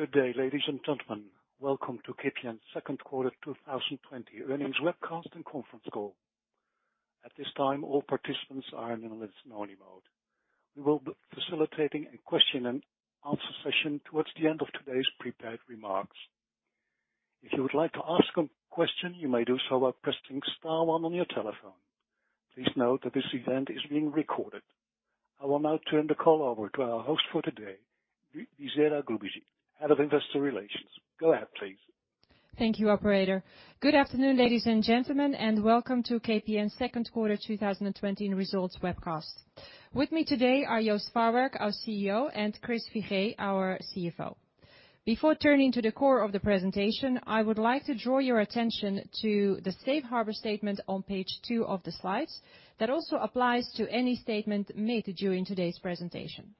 Good day, ladies and gentlemen. Welcome to KPN's second quarter 2020 earnings webcast and conference call. At this time, all participants are in a listen-only mode. We will be facilitating a question-and-answer session towards the end of today's prepared remarks. If you would like to ask a question, you may do so by pressing star one on your telephone. Please note that this event is being recorded. I will now turn the call over to our host for today, Bisera Grubesic, Head of Investor Relations. Go ahead, please. Thank you, operator. Good afternoon, ladies and gentlemen, and welcome to KPN Second Quarter 2020 Results Webcast. With me today are Joost Farwerck, our CEO, and Chris Figee, our CFO. Before turning to the core of the presentation, I would like to draw your attention to the safe harbor statement on page two of the slides that also applies to any statement made during today's presentation.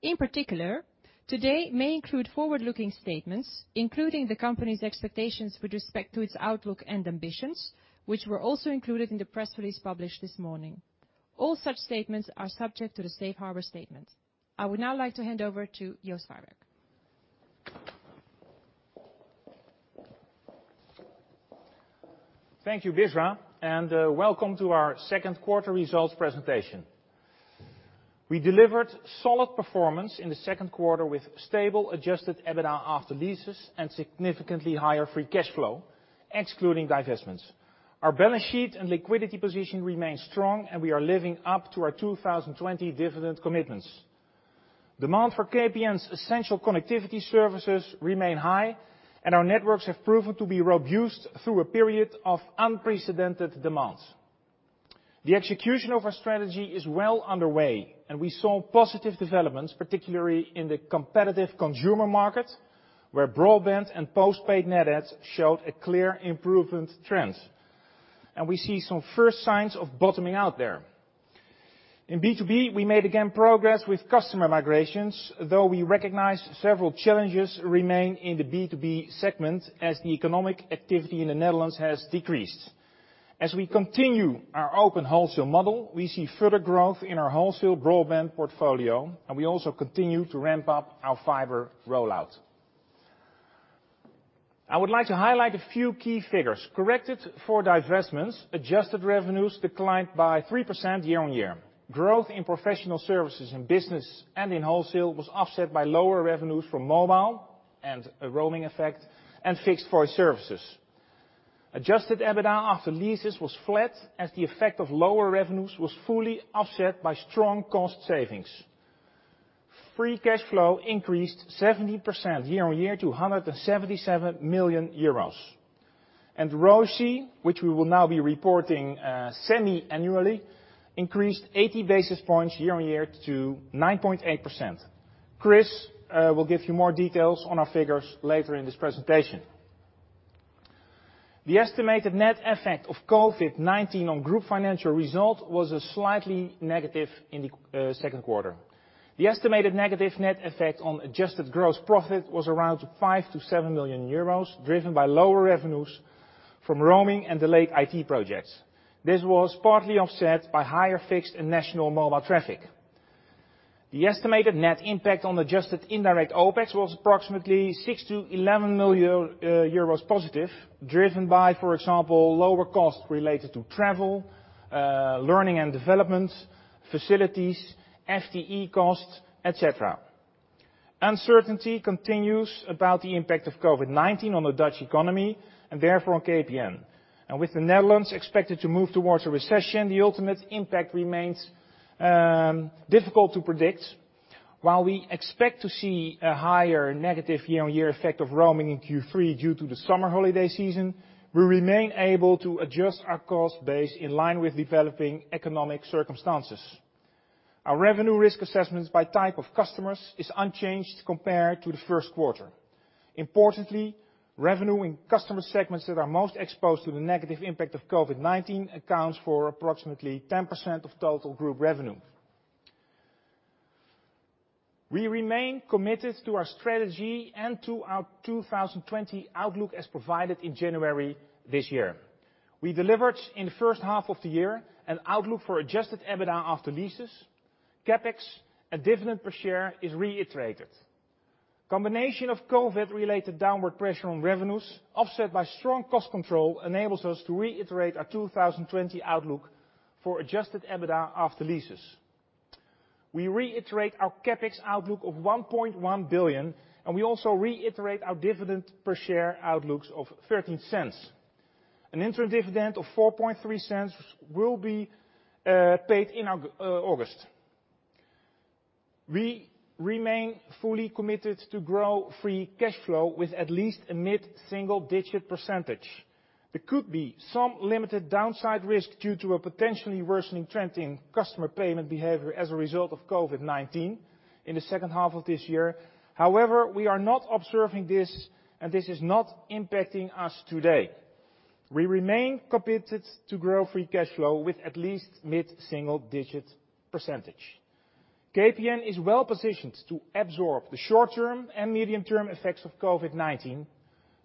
In particular, today may include forward-looking statements, including the company's expectations with respect to its outlook and ambitions, which were also included in the press release published this morning. All such statements are subject to the safe harbor statement. I would now like to hand over to Joost Farwerck. Thank you, Bisera, and welcome to our second quarter results presentation. We delivered solid performance in the second quarter with stable adjusted EBITDA after leases and significantly higher free cash flow, excluding divestments. Our balance sheet and liquidity position remains strong, and we are living up to our 2020 dividend commitments. Demand for KPN's essential connectivity services remain high, and our networks have proven to be robust through a period of unprecedented demands. The execution of our strategy is well underway, and we saw positive developments, particularly in the competitive consumer market, where broadband and postpaid net adds showed a clear improvement trend. We see some first signs of bottoming out there. In B2B, we made again progress with customer migrations, though we recognize several challenges remain in the B2B segment as the economic activity in the Netherlands has decreased. As we continue our open wholesale model, we see further growth in our wholesale broadband portfolio, we also continue to ramp up our fiber rollout. I would like to highlight a few key figures. Corrected for divestments, adjusted revenues declined by 3% year-on-year. Growth in professional services in business and in wholesale was offset by lower revenues from mobile and a roaming effect and fixed voice services. Adjusted EBITDA after leases was flat, as the effect of lower revenues was fully offset by strong cost savings. Free cash flow increased 17% year-on-year to 177 million euros. ROCE, which we will now be reporting semi-annually, increased 80 basis points year-on-year to 9.8%. Chris will give you more details on our figures later in this presentation. The estimated net effect of COVID-19 on Group financial result was slightly negative in the second quarter. The estimated negative net effect on adjusted gross profit was around 5 million-7 million euros, driven by lower revenues from roaming and delayed IT projects. This was partly offset by higher fixed and national mobile traffic. The estimated net impact on adjusted indirect OpEx was approximately 6 million-11 million euros positive, driven by, for example, lower cost related to travel, learning and development, facilities, FTE costs, et cetera. Uncertainty continues about the impact of COVID-19 on the Dutch economy and therefore on KPN. With the Netherlands expected to move towards a recession, the ultimate impact remains difficult to predict. While we expect to see a higher negative year-on-year effect of roaming in Q3 due to the summer holiday season, we remain able to adjust our cost base in line with developing economic circumstances. Our revenue risk assessments by type of customers is unchanged compared to the first quarter. Importantly, revenue in customer segments that are most exposed to the negative impact of COVID-19 accounts for approximately 10% of total Group revenue. We remain committed to our strategy and to our 2020 outlook as provided in January this year. We delivered in the first half of the year an outlook for adjusted EBITDA after leases, CapEx, and dividend per share is reiterated. Combination of COVID related downward pressure on revenues, offset by strong cost control, enables us to reiterate our 2020 outlook for adjusted EBITDA after leases. We reiterate our CapEx outlook of 1.1 billion, and we also reiterate our dividend per share outlooks of 0.13. An interim dividend of 0.043 will be paid in August. We remain fully committed to grow free cash flow with at least a mid-single digit percentage. There could be some limited downside risk due to a potentially worsening trend in customer payment behavior as a result of COVID-19 in the second half of this year. We are not observing this, and this is not impacting us today. We remain committed to grow free cash flow with at least mid-single digit percentage. KPN is well positioned to absorb the short-term and medium-term effects of COVID-19.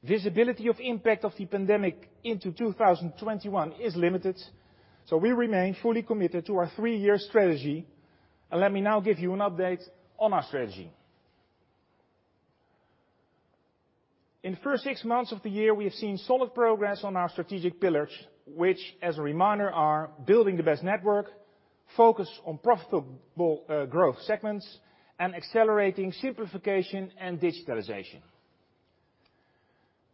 Visibility of impact of the pandemic into 2021 is limited. We remain fully committed to our three-year strategy. Let me now give you an update on our strategy. In the first six months of the year, we have seen solid progress on our strategic pillars, which, as a reminder, are building the best network, focus on profitable growth segments, and accelerating simplification and digitalization.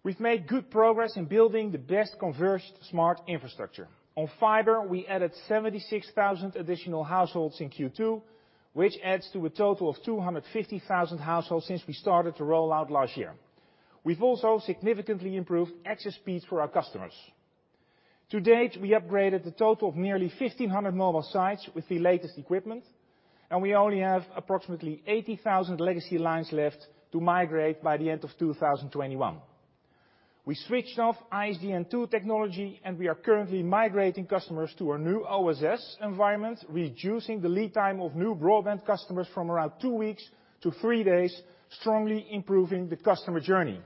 We've made good progress in building the best converged smart infrastructure. On fiber, we added 76,000 additional households in Q2, which adds to a total of 250,000 households since we started to roll out last year. We've also significantly improved access speeds for our customers. To date, we upgraded a total of nearly 1,500 mobile sites with the latest equipment, and we only have approximately 80,000 legacy lines left to migrate by the end of 2021. We switched off ISDN 2 technology, and we are currently migrating customers to our new OSS environment, reducing the lead time of new broadband customers from around two weeks to three days, strongly improving the customer journey.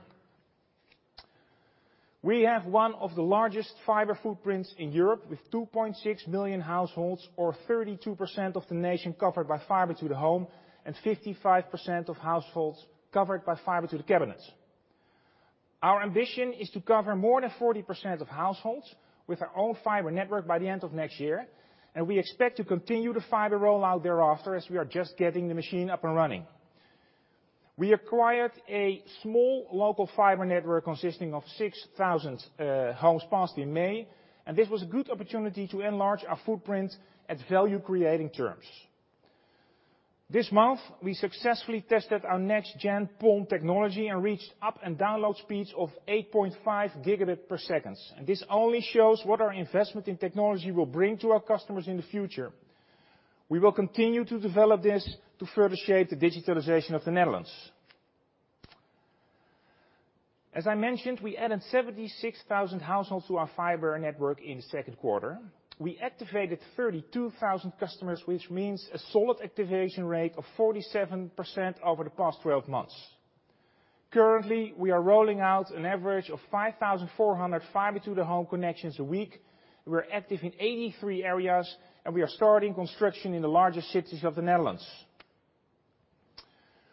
We have one of the largest fiber footprints in Europe with 2.6 million households or 32% of the nation covered by fiber to the home and 55% of households covered by fiber to the cabinets. Our ambition is to cover more than 40% of households with our own fiber network by the end of next year. We expect to continue the fiber rollout thereafter as we are just getting the machine up and running. We acquired a small local fiber network consisting of 6,000 homes passed in May. This was a good opportunity to enlarge our footprint at value-creating terms. This month, we successfully tested our next gen PON technology and reached up and download speeds of 8.5 Gbps. This only shows what our investment in technology will bring to our customers in the future. We will continue to develop this to further shape the digitalization of the Netherlands. As I mentioned, we added 76,000 households to our fiber network in the second quarter. We activated 32,000 customers, which means a solid activation rate of 47% over the past 12 months. Currently, we are rolling out an average of 5,400 fiber to the home connections a week. We're active in 83 areas. We are starting construction in the largest cities of the Netherlands.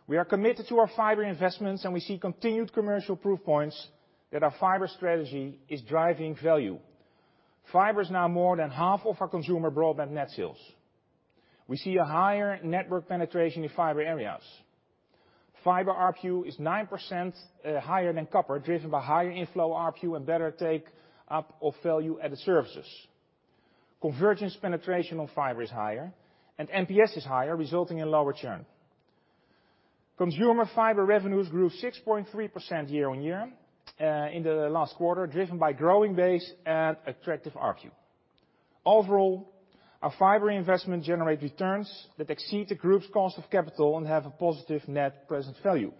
We are committed to our fiber investments. We see continued commercial proof points that our fiber strategy is driving value. Fiber is now more than half of our consumer broadband net sales. We see a higher network penetration in fiber areas. Fiber ARPU is 9% higher than copper, driven by higher inflow ARPU and better take up of value-added services. Convergence penetration on fiber is higher. NPS is higher, resulting in lower churn. Consumer fiber revenues grew 6.3% year-on-year in the last quarter, driven by growing base and attractive ARPU. Overall, our fiber investment generate returns that exceed the Group's cost of capital and have a positive net present value.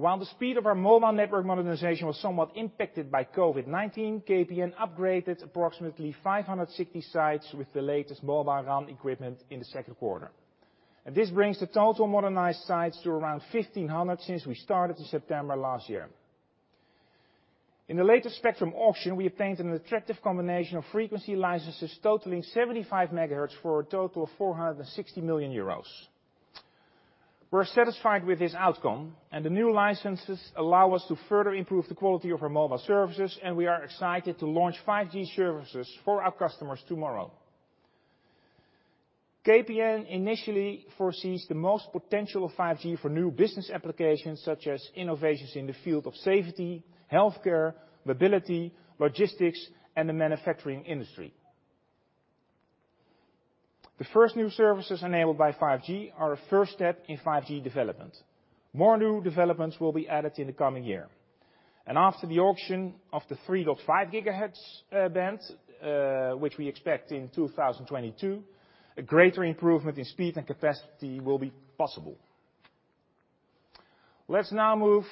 While the speed of our mobile network modernization was somewhat impacted by COVID-19, KPN upgraded approximately 560 sites with the latest mobile RAN equipment in the second quarter. This brings the total modernized sites to around 1,500 since we started in September last year. In the latest spectrum auction, we obtained an attractive combination of frequency licenses totaling 75 MHz for a total of 460 million euros. We're satisfied with this outcome, and the new licenses allow us to further improve the quality of our mobile services, and we are excited to launch 5G services for our customers tomorrow. KPN initially foresees the most potential of 5G for new business applications, such as innovations in the field of safety, healthcare, mobility, logistics, and the manufacturing industry. The first new services enabled by 5G are a first step in 5G development. More new developments will be added in the coming year. After the auction of the 3.5 GHz band, which we expect in 2022, a greater improvement in speed and capacity will be possible. Let's now move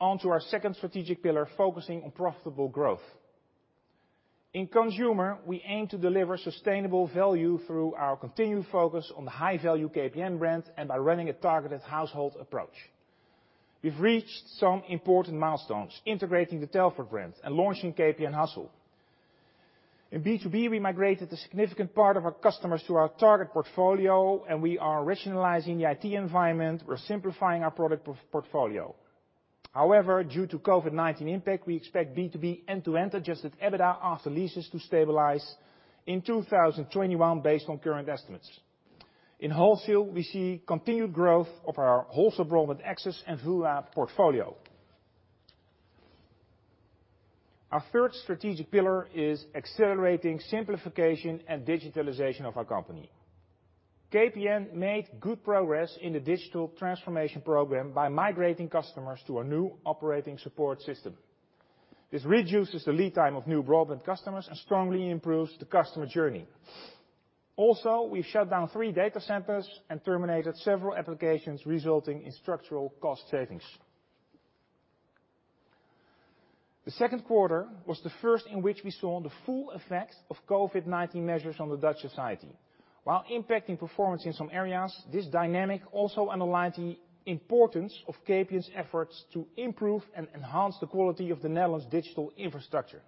on to our second strategic pillar, focusing on profitable growth. In consumer, we aim to deliver sustainable value through our continued focus on the high-value KPN brand and by running a targeted household approach. We've reached some important milestones, integrating the Telfort brand and launching KPN Hussel. In B2B, we migrated a significant part of our customers to our target portfolio, and we are rationalizing the IT environment. We're simplifying our product portfolio. However, due to COVID-19 impact, we expect B2B end-to-end adjusted EBITDA after leases to stabilize in 2021 based on current estimates. In Wholesale, we see continued growth of our wholesale broadband access and VULA portfolio. Our third strategic pillar is accelerating simplification and digitalization of our company. KPN made good progress in the digital transformation program by migrating customers to a new operating support system. This reduces the lead time of new broadband customers and strongly improves the customer journey. Also, we shut down three data centers and terminated several applications resulting in structural cost savings. The second quarter was the first in which we saw the full effect of COVID-19 measures on the Dutch society. While impacting performance in some areas, this dynamic also underlines the importance of KPN's efforts to improve and enhance the quality of the Netherlands' digital infrastructure.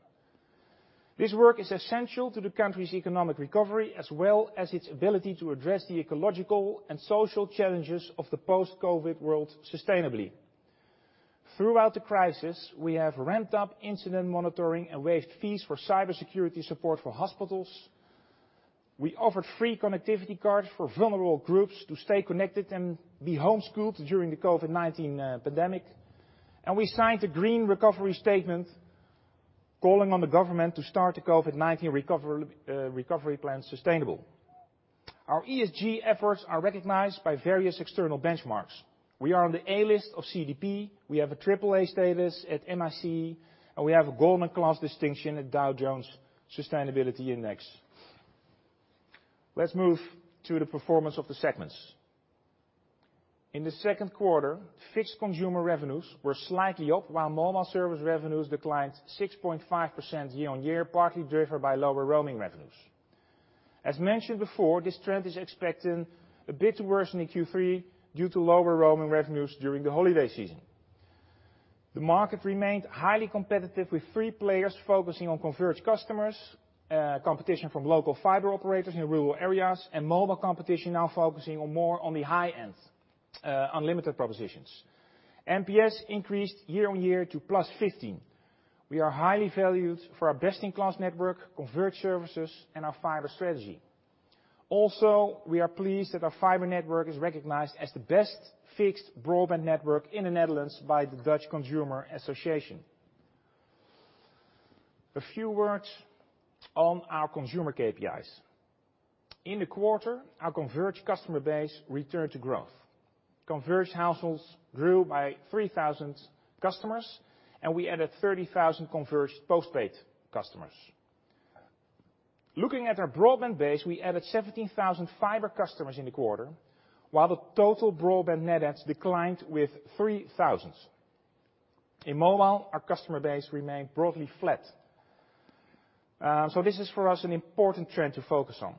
This work is essential to the country's economic recovery, as well as its ability to address the ecological and social challenges of the post-COVID world sustainably. Throughout the crisis, we have ramped up incident monitoring and waived fees for cybersecurity support for hospitals. We offered free connectivity cards for vulnerable groups to stay connected and be homeschooled during the COVID-19 pandemic. We signed a green recovery statement calling on the government to start the COVID-19 recovery plan sustainable. Our ESG efforts are recognized by various external benchmarks. We are on the A list of CDP. We have a AAA status at MSCI, and we have a golden class distinction at Dow Jones Sustainability Index. Let's move to the performance of the segments. In the second quarter, fixed consumer revenues were slightly up, while mobile service revenues declined 6.5% year-on-year, partly driven by lower roaming revenues. As mentioned before, this trend is expected a bit to worsen in Q3 due to lower roaming revenues during the holiday season. The market remained highly competitive, with three players focusing on converged customers, competition from local fiber operators in rural areas, and mobile competition now focusing more on the high end unlimited propositions. NPS increased year-over-year to +15. We are highly valued for our best-in-class network, converged services, and our fiber strategy. We are pleased that our fiber network is recognized as the best fixed broadband network in the Netherlands by the Dutch Consumer Association. A few words on our consumer KPIs. In the quarter, our converged customer base returned to growth. Converged households grew by 3,000 customers, and we added 30,000 converged postpaid customers. Looking at our broadband base, we added 17,000 fiber customers in the quarter, while the total broadband net adds declined with 3,000. In mobile, our customer base remained broadly flat. This is for us an important trend to focus on.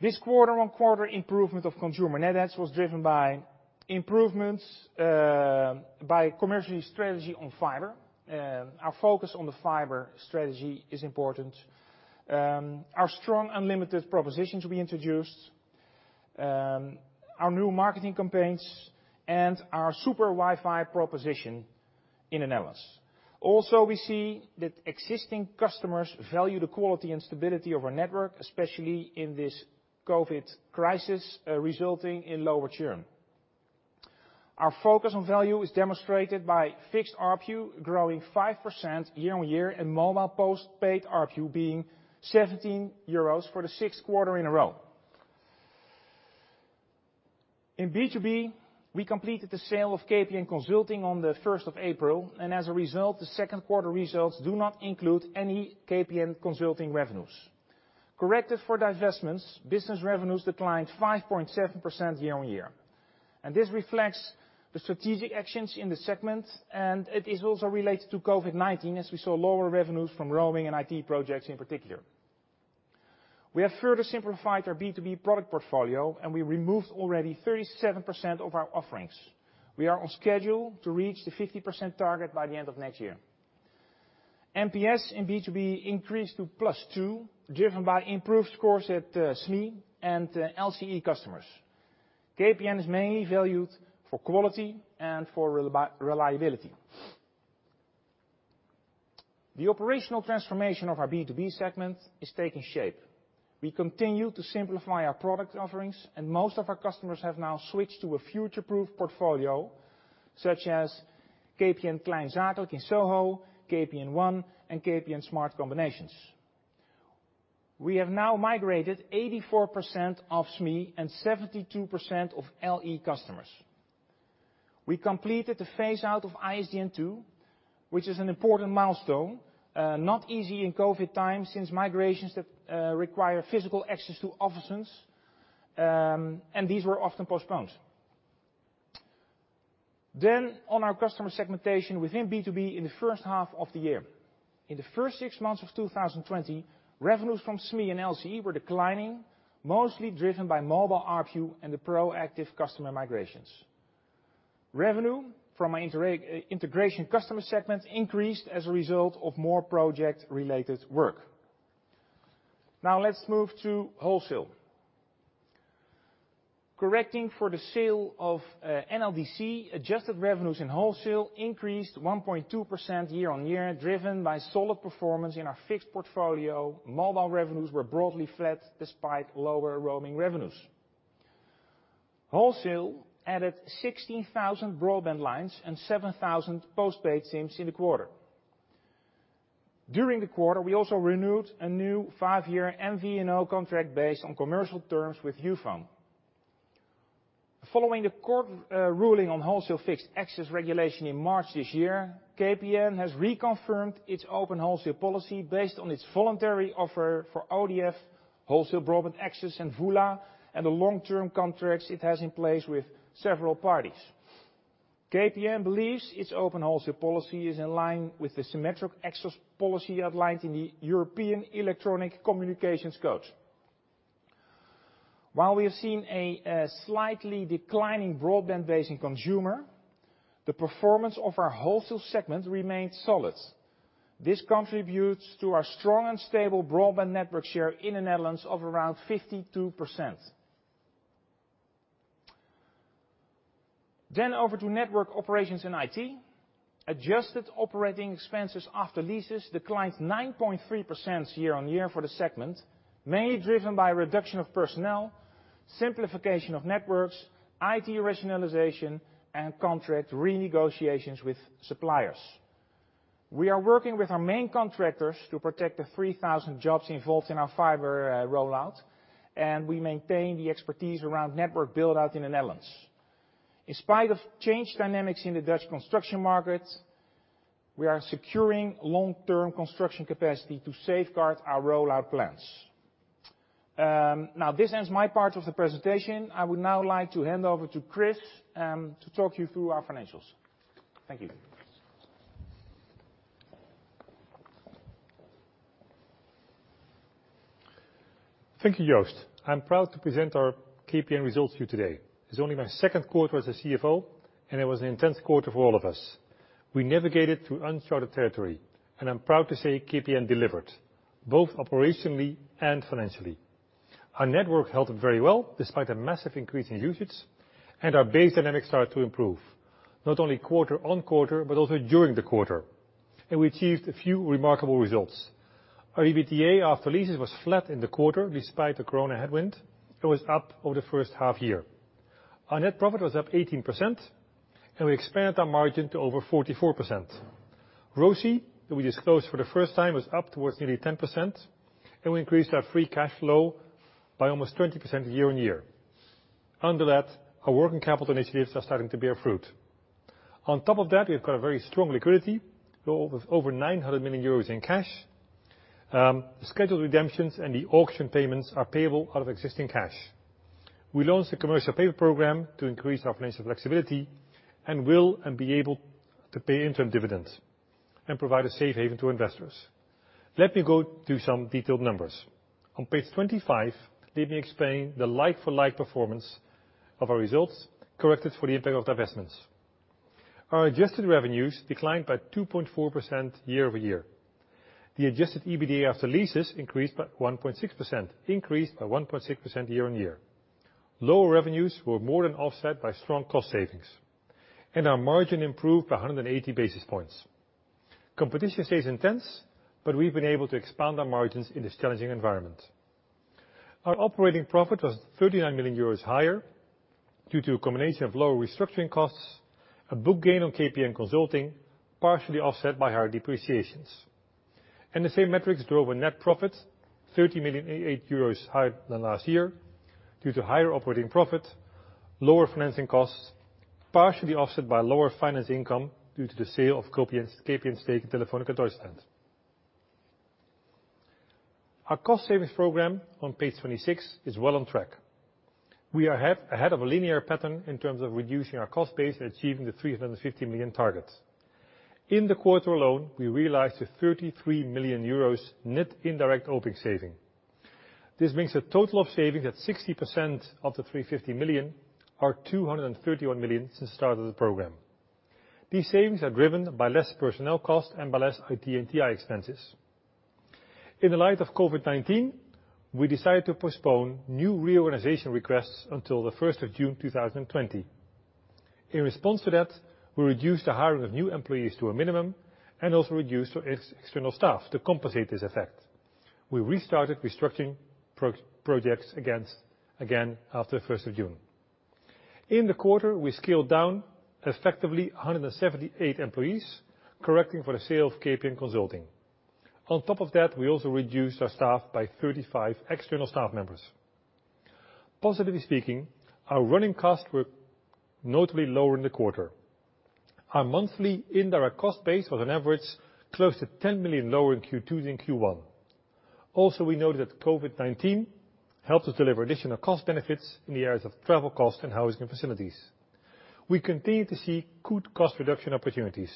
This quarter-on-quarter improvement of consumer net adds was driven by improvements by commercial strategy on fiber. Our focus on the fiber strategy is important. Our strong unlimited propositions we introduced, our new marketing campaigns, and our SuperWifi proposition in the Netherlands. Also, we see that existing customers value the quality and stability of our network, especially in this COVID crisis, resulting in lower churn. Our focus on value is demonstrated by fixed ARPU growing 5% year-on-year and mobile postpaid ARPU being 17 euros for the sixth quarter in a row. In B2B, we completed the sale of KPN Consulting on the 1st of April. As a result, the second quarter results do not include any KPN Consulting revenues. Corrected for divestments, business revenues declined 5.7% year-on-year. This reflects the strategic actions in the segment, and it is also related to COVID-19, as we saw lower revenues from roaming and IT projects in particular. We have further simplified our B2B product portfolio, and we removed already 37% of our offerings. We are on schedule to reach the 50% target by the end of next year. NPS in B2B increased to +2, driven by improved scores at SME and LCE customers. KPN is mainly valued for quality and for reliability. The operational transformation of our B2B segment is taking shape. We continue to simplify our product offerings, and most of our customers have now switched to a future-proof portfolio, such as KPN Kleinzakelijk in SoHo, KPN One, and KPN Smart Combinations. We have now migrated 84% of SME and 72% of LE customers. We completed the phase out of ISDN 2, which is an important milestone. Not easy in COVID times, since migrations that require physical access to offices, and these were often postponed. On our customer segmentation within B2B in the first half of the year. In the first six months of 2020, revenues from SME and LCE were declining, mostly driven by mobile ARPU and the proactive customer migrations. Revenue from our integration customer segment increased as a result of more project-related work. Let's move to wholesale. Correcting for the sale of NLDC, adjusted revenues in wholesale increased 1.2% year-on-year, driven by solid performance in our fixed portfolio. Mobile revenues were broadly flat despite lower roaming revenues. Wholesale added 16,000 broadband lines and 7,000 postpaid SIMs in the quarter. During the quarter, we also renewed a new five-year MVNO contract based on commercial terms with Youfone. Following the court ruling on wholesale fixed access regulation in March this year, KPN has reconfirmed its open wholesale policy based on its voluntary offer for ODF, wholesale broadband access and VULA, and the long-term contracts it has in place with several parties. KPN believes its open wholesale policy is in line with the symmetric access policy outlined in the European Electronic Communications Code. While we have seen a slightly declining broadband base in consumer, the performance of our wholesale segment remained solid. This contributes to our strong and stable broadband network share in the Netherlands of around 52%. Over to network operations and IT. Adjusted operating expenses after leases declined 9.3% year-on-year for the segment, mainly driven by reduction of personnel, simplification of networks, IT rationalization, and contract renegotiations with suppliers. We are working with our main contractors to protect the 3,000 jobs involved in our fiber rollout, and we maintain the expertise around network build-out in the Netherlands. In spite of changed dynamics in the Dutch construction market, we are securing long-term construction capacity to safeguard our rollout plans. This ends my part of the presentation. I would now like to hand over to Chris, to talk you through our financials. Thank you. Thank you, Joost. I'm proud to present our KPN results to you today. It's only my second quarter as a CFO, and it was an intense quarter for all of us. We navigated through uncharted territory, and I'm proud to say KPN delivered, both operationally and financially. Our network held up very well despite a massive increase in usage, and our base dynamics started to improve, not only quarter-over-quarter, but also during the quarter. We achieved a few remarkable results. Our EBITDA after leases was flat in the quarter despite the corona headwind. It was up over the first half year. Our net profit was up 18%, and we expanded our margin to over 44%. ROCE, that we disclosed for the first time, was up towards nearly 10%, and we increased our free cash flow by almost 20% year-over-year. Under that, our working capital initiatives are starting to bear fruit. On top of that, we've got a very strong liquidity with over 900 million euros in cash. Scheduled redemptions and the auction payments are payable out of existing cash. We launched the commercial paper program to increase our financial flexibility and will be able to pay interim dividends and provide a safe haven to investors. Let me go through some detailed numbers. On page 25, let me explain the like-for-like performance of our results, corrected for the impact of divestments. Our adjusted revenues declined by 2.4% year-over-year. The adjusted EBITDA after leases increased by 1.6% year-on-year. Lower revenues were more than offset by strong cost savings, and our margin improved by 180 basis points. Competition stays intense, but we've been able to expand our margins in this challenging environment. Our operating profit was 39 million euros higher due to a combination of lower restructuring costs, a book gain on KPN Consulting, partially offset by higher depreciations. The same metrics drove a net profit 38 million higher than last year due to higher operating profit, lower financing costs, partially offset by lower finance income due to the sale of KPN's stake in Telefónica Deutschland. Our Cost Savings Program, on page 26, is well on track. We are ahead of a linear pattern in terms of reducing our cost base and achieving the 350 million target. In the quarter alone, we realized a 33 million euros net indirect OpEx saving. This brings the total of savings at 60% of the 350 million, or 231 million since the start of the program. These savings are driven by less personnel cost and by less IT and TI expenses. In the light of COVID-19, we decided to postpone new reorganization requests until the 1st of June 2020. In response to that, we reduced the hiring of new employees to a minimum and also reduced our external staff to compensate this effect. We restarted restructuring projects again after the 1st of June. In the quarter, we scaled down effectively 178 employees, correcting for the sale of KPN Consulting. On top of that, we also reduced our staff by 35 external staff members. Positively speaking, our running costs were notably lower in the quarter. Our monthly indirect cost base was on average close to 10 million lower in Q2 than Q1. Also, we noted that COVID-19 helped us deliver additional cost benefits in the areas of travel cost and housing facilities. We continue to see good cost reduction opportunities.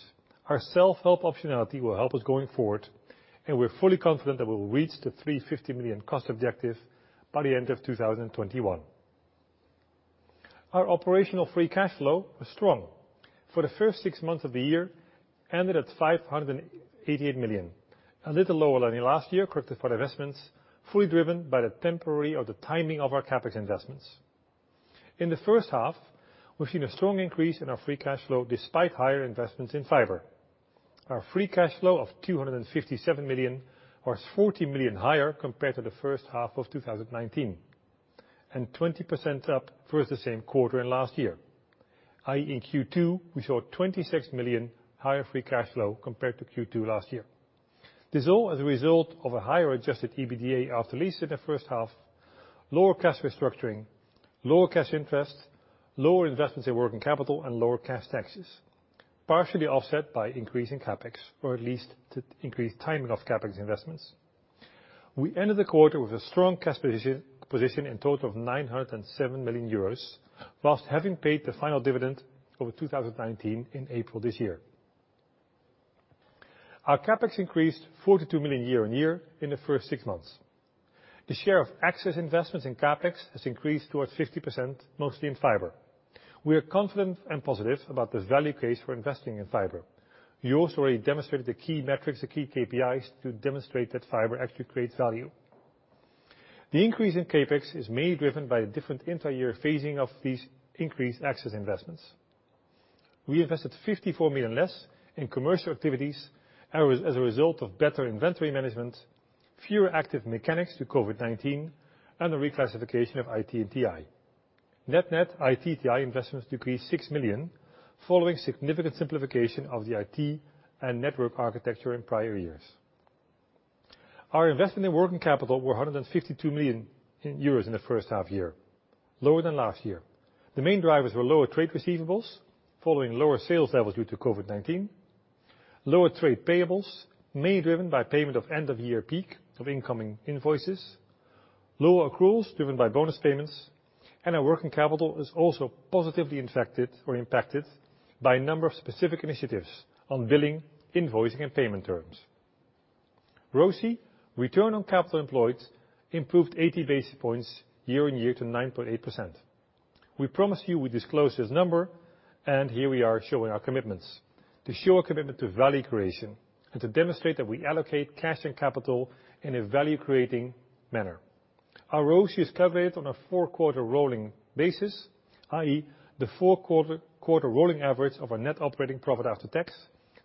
Our self-help optionality will help us going forward. We're fully confident that we will reach the 350 million cost objective by the end of 2021. Our operational free cash flow was strong. For the first six months of the year, ended at 588 million, a little lower than last year, corrected for divestments, fully driven by the temporary of the timing of our CapEx investments. In the first half, we've seen a strong increase in our free cash flow despite higher investments in fiber. Our free cash flow of 257 million was 40 million higher compared to the first half of 2019, and 20% up versus the same quarter in last year, i.e., in Q2, we saw 26 million higher free cash flow compared to Q2 last year. This all as a result of a higher adjusted EBITDA after lease in the first half, lower cash restructuring, lower cash interest, lower investments in working capital, and lower cash taxes, partially offset by increasing CapEx, or at least the increased timing of CapEx investments. We ended the quarter with a strong cash position in total of 907 million euros, whilst having paid the final dividend of 2019 in April this year. Our CapEx increased 42 million year-over-year in the first six months. The share of access investments in CapEx has increased towards 50%, mostly in fiber. We are confident and positive about this value case for investing in fiber. We also already demonstrated the key metrics, the key KPIs to demonstrate that fiber actually creates value. The increase in CapEx is mainly driven by a different entire year phasing of these increased access investments. We invested 54 million less in commercial activities as a result of better inventory management, fewer active mechanics due to COVID-19, and the reclassification of IT and TI. Net-net IT/TI investments decreased 6 million, following significant simplification of the IT and network architecture in prior years. Our investment in working capital was 152 million euros in the first half year, lower than last year. The main drivers were lower trade receivables following lower sales levels due to COVID-19, lower trade payables, mainly driven by payment of end-of-year peak of incoming invoices, and lower accruals driven by bonus payments. Our working capital is also positively impacted by a number of specific initiatives on billing, invoicing, and payment terms. ROCE, return on capital employed, improved 80 basis points year-over-year to 9.8%. We promised you we'd disclose this number, here we are showing our commitments. To show a commitment to value creation and to demonstrate that we allocate cash and capital in a value-creating manner. Our ROCE is calculated on a four-quarter rolling basis, i.e., the four-quarter rolling average of our net operating profit after tax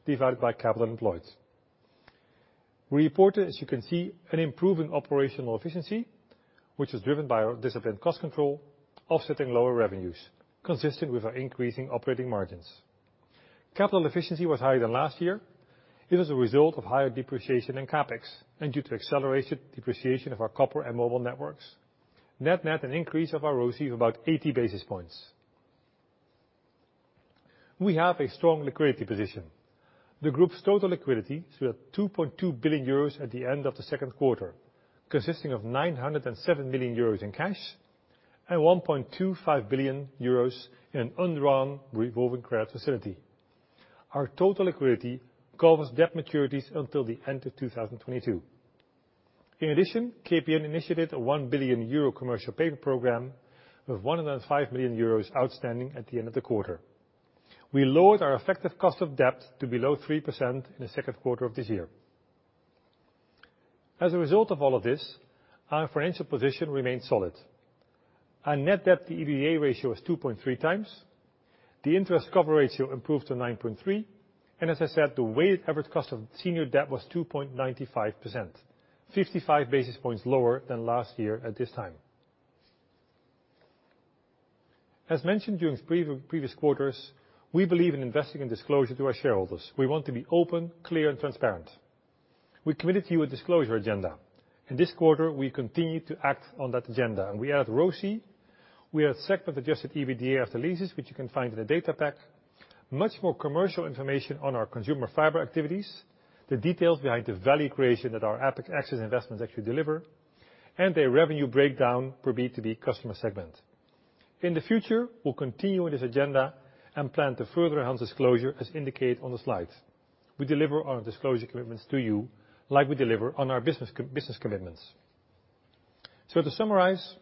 divided by capital employed. We reported, as you can see, an improving operational efficiency, which is driven by our disciplined cost control, offsetting lower revenues consistent with our increasing operating margins. Capital efficiency was higher than last year. It was a result of higher depreciation in CapEx and due to accelerated depreciation of our copper and mobile networks. Net-net an increase of our ROCE of about 80 basis points. We have a strong liquidity position. The Group's total liquidity stood at 2.2 billion euros at the end of the second quarter, consisting of 907 million euros in cash and 1.25 billion euros in an undrawn revolving credit facility. Our total liquidity covers debt maturities until the end of 2022. In addition, KPN initiated a 1 billion euro commercial paper program with 105 million euros outstanding at the end of the quarter. We lowered our effective cost of debt to below 3% in the second quarter of this year. As a result of all of this, our financial position remains solid. Our net debt to EBITDA ratio is 2.3x. The interest cover ratio improved to 9.3x, and as I said, the weighted average cost of senior debt was 2.95%, 55 basis points lower than last year at this time. As mentioned during previous quarters, we believe in investing in disclosure to our shareholders. We want to be open, clear, and transparent. We committed to you a disclosure agenda. In this quarter, we continued to act on that agenda, and we added ROCE. We had segment-adjusted EBITDA after leases, which you can find in the data pack. Much more commercial information on our consumer fiber activities, the details behind the value creation that our access investments actually deliver, and a revenue breakdown per B2B customer segment. In the future, we'll continue with this agenda and plan to further enhance disclosure as indicated on the slide. We deliver on our disclosure commitments to you like we deliver on our business commitments. To summarize,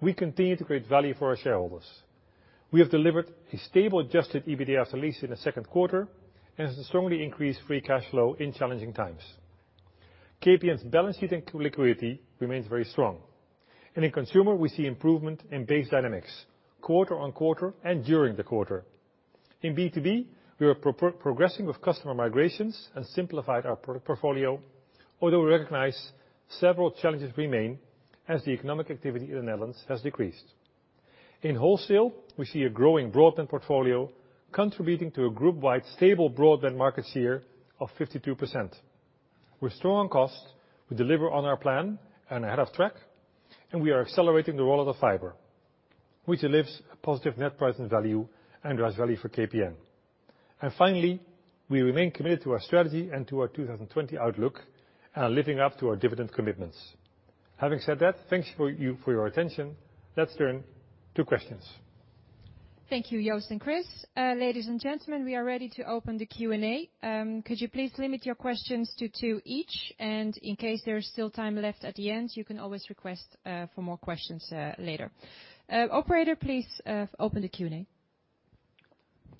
we continue to create value for our shareholders. We have delivered a stable adjusted EBITDA after leases in the second quarter and has a strongly increased free cash flow in challenging times. KPN's balance sheet and liquidity remains very strong. In consumer, we see improvement in base dynamics quarter-on-quarter and during the quarter. In B2B, we are progressing with customer migrations and simplified our portfolio, although we recognize several challenges remain as the economic activity in the Netherlands has decreased. In wholesale, we see a growing broadband portfolio contributing to a Group-wide stable broadband market share of 52%. We're strong on cost, we deliver on our plan, and ahead of track, and we are accelerating the roll out of fiber, which delivers a positive net present value and drives value for KPN. Finally, we remain committed to our strategy and to our 2020 outlook and are living up to our dividend commitments. Having said that, thank you for your attention. Let's turn to questions. Thank you, Joost and Chris. Ladies and gentlemen, we are ready to open the Q&A. Could you please limit your questions to two each, and in case there is still time left at the end, you can always request for more questions later. Operator, please open the Q&A.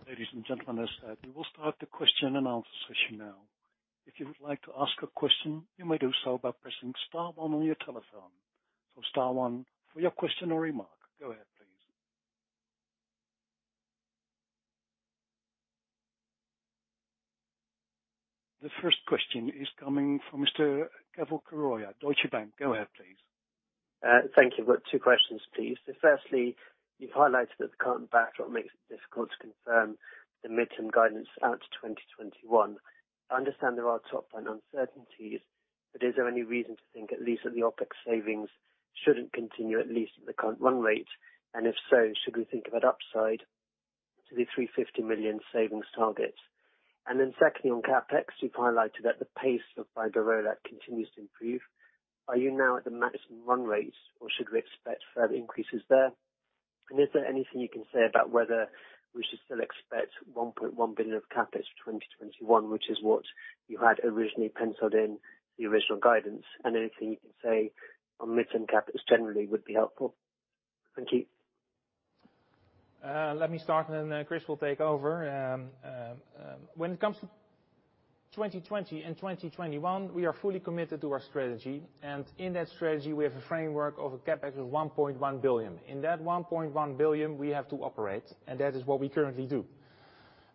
Ladies and gentlemen, as said, we will start the question-and-answer session now. If you would like to ask a question, you may do so by pressing star one on your telephone. Star one for your question or remark. Go ahead, please. The first question is coming from Mr. Keval Khiroya at Deutsche Bank. Go ahead, please. Thank you. Two questions, please. Firstly, you've highlighted that the current backdrop makes it difficult to confirm the mid-term guidance out to 2021. I understand there are top-line uncertainties, but is there any reason to think, at least that the OpEx savings shouldn't continue, at least at the current run rate? If so, should we think of an upside to the 350 million savings target? Secondly, on CapEx, you've highlighted that the pace of fiber rollout continues to improve. Are you now at the maximum run rate or should we expect further increases there? Is there anything you can say about whether we should still expect 1.1 billion of CapEx for 2021, which is what you had originally penciled in the original guidance? Anything you can say on mid-term CapEx generally would be helpful. Thank you. Let me start, and then Chris will take over. When it comes to 2020 and 2021, we are fully committed to our strategy, and in that strategy, we have a framework of a CapEx of 1.1 billion. In that 1.1 billion, we have to operate, and that is what we currently do.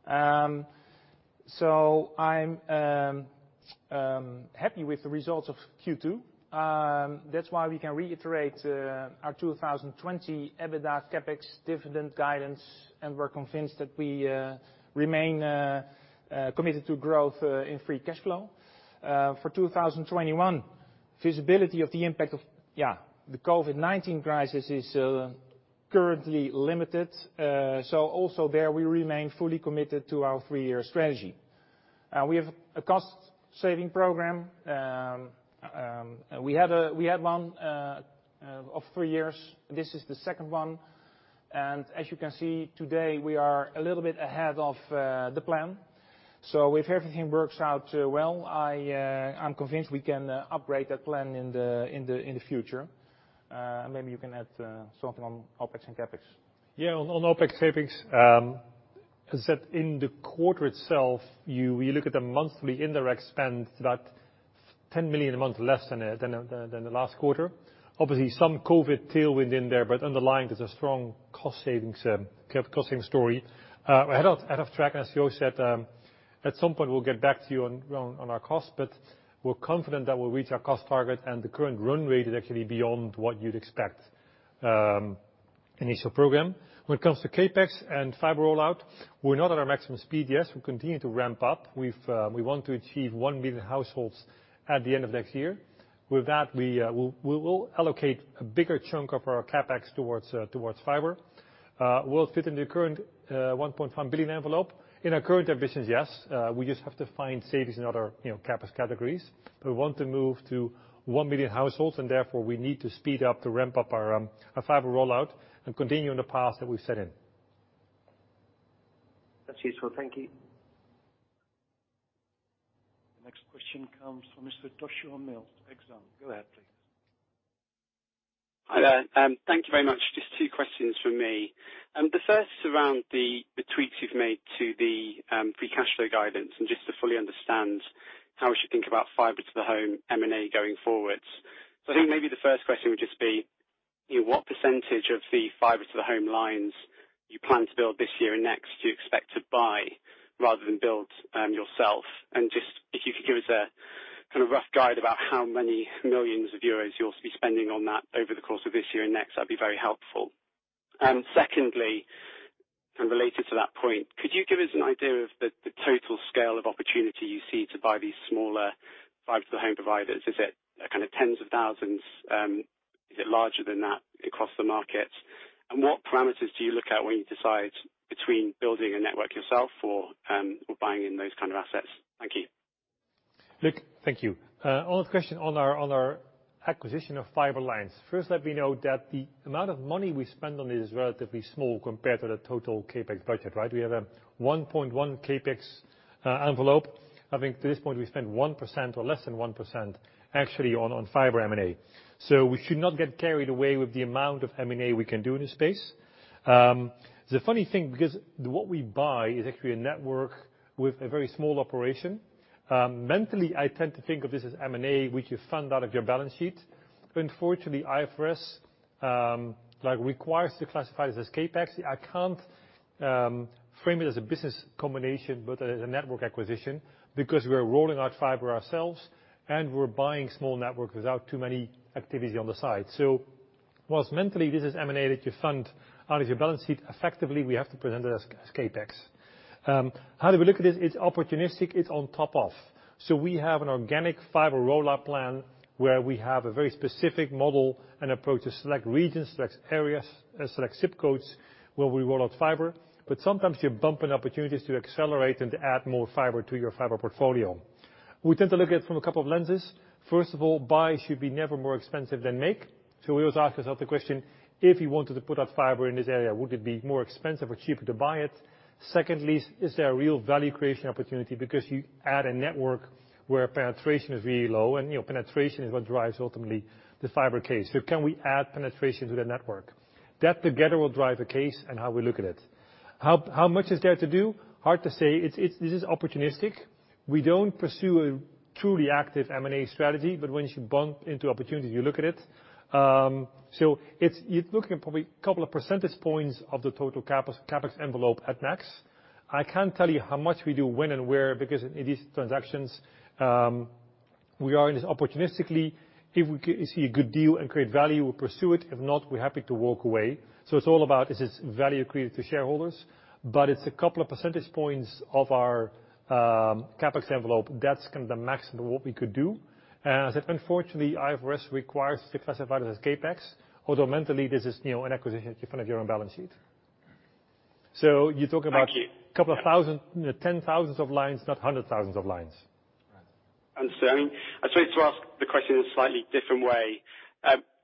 I'm happy with the results of Q2. That's why we can reiterate our 2020 EBITDA CapEx dividend guidance, and we're convinced that we remain committed to growth in free cash flow. For 2021, visibility of the impact of the COVID-19 crisis is currently limited. Also there, we remain fully committed to our three-year strategy. We have a cost-saving program. We had one of three years. This is the second one. As you can see today, we are a little bit ahead of the plan. If everything works out well, I'm convinced we can upgrade that plan in the future. Maybe you can add something on OpEx and CapEx. Yeah. On OpEx savings, as I said, in the quarter itself, you look at the monthly indirect spend, about 10 million a month less than the last quarter. Obviously, some COVID tailwind in there, but underlying, there's a strong cost-saving story. Ahead of track, as Joost said, at some point we'll get back to you on our cost, but we're confident that we'll reach our cost target and the current run rate is actually beyond what you'd expect in initial program. When it comes to CapEx and fiber rollout, we're not at our maximum speed yet. We continue to ramp up. We want to achieve 1 million households at the end of next year. With that, we will allocate a bigger chunk of our CapEx towards fiber. Will it fit in the current 1.1 billion envelope? In our current ambitions, yes. We just have to find savings in other CapEx categories. We want to move to 1 million households, and therefore, we need to speed up to ramp up our fiber rollout and continue on the path that we've set in. That's useful. Thank you. The next question comes from Mr. Joshua Mills, Exane. Go ahead, please. Hi there. Thank you very much. Just two questions from me. The first is around the tweaks you've made to the free cash flow guidance and just to fully understand how we should think about fiber to the home M&A going forward. I think maybe the first question would just be, what percentage of the fiber to the home lines you plan to build this year and next, do you expect to buy rather than build yourself? Just if you could give us a rough guide about how many millions of euros you'll be spending on that over the course of this year and next, that'd be very helpful. Secondly, related to that point, could you give us an idea of the total scale of opportunity you see to buy these smaller fiber to the home providers? Is it tens of thousands? Is it larger than that across the markets? What parameters do you look at when you decide between building a network yourself or buying in those kind of assets? Thank you. Look, thank you. On the question on our acquisition of fiber lines, first let me note that the amount of money we spend on it is relatively small compared to the total CapEx budget. We have a 1.1 billion CapEx envelope. I think to this point, we spent 1% or less than 1% actually on fiber M&A. So we should not get carried away with the amount of M&A we can do in this space. It's a funny thing because what we buy is actually a network with a very small operation. Mentally, I tend to think of this as M&A, which you fund out of your balance sheet. Unfortunately, IFRS requires to classify it as CapEx. I can't frame it as a business combination, but as a network acquisition, because we're rolling out fiber ourselves and we're buying small network without too many activity on the side. Whilst mentally this is M&A that you fund out of your balance sheet, effectively, we have to present it as CapEx. How do we look at this? It's opportunistic, it's on top of. We have an organic fiber rollout plan where we have a very specific model and approach to select regions, select areas, and select ZIP codes where we roll out fiber. Sometimes you bump in opportunities to accelerate and add more fiber to your fiber portfolio. We tend to look at it from a couple of lenses. First of all, buy should be never more expensive than make. We always ask ourselves the question, if you wanted to put out fiber in this area, would it be more expensive or cheaper to buy it? Secondly, is there a real value creation opportunity? Because you add a network where penetration is really low and penetration is what drives ultimately the fiber case. Can we add penetration to the network? That together will drive a case and how we look at it. How much is there to do? Hard to say. This is opportunistic. We don't pursue a truly active M&A strategy, but once you bump into opportunities, you look at it. You're looking at probably a couple of percentage points of the total CapEx envelope at max. I can't tell you how much we do when and where, because these transactions, we are in this opportunistically. If we see a good deal and create value, we'll pursue it. If not, we're happy to walk away. It's all about, is this value accretive to shareholders? It's a couple of percentage points of our CapEx envelope. That's the maximum what we could do. As I said, unfortunately, IFRS requires to classify it as CapEx, although mentally, this is an acquisition in front of your own balance sheet. you're talking about Thank you. A couple of 10,000s of lines, not 100,000s of lines. Understood. I just want to ask the question in a slightly different way.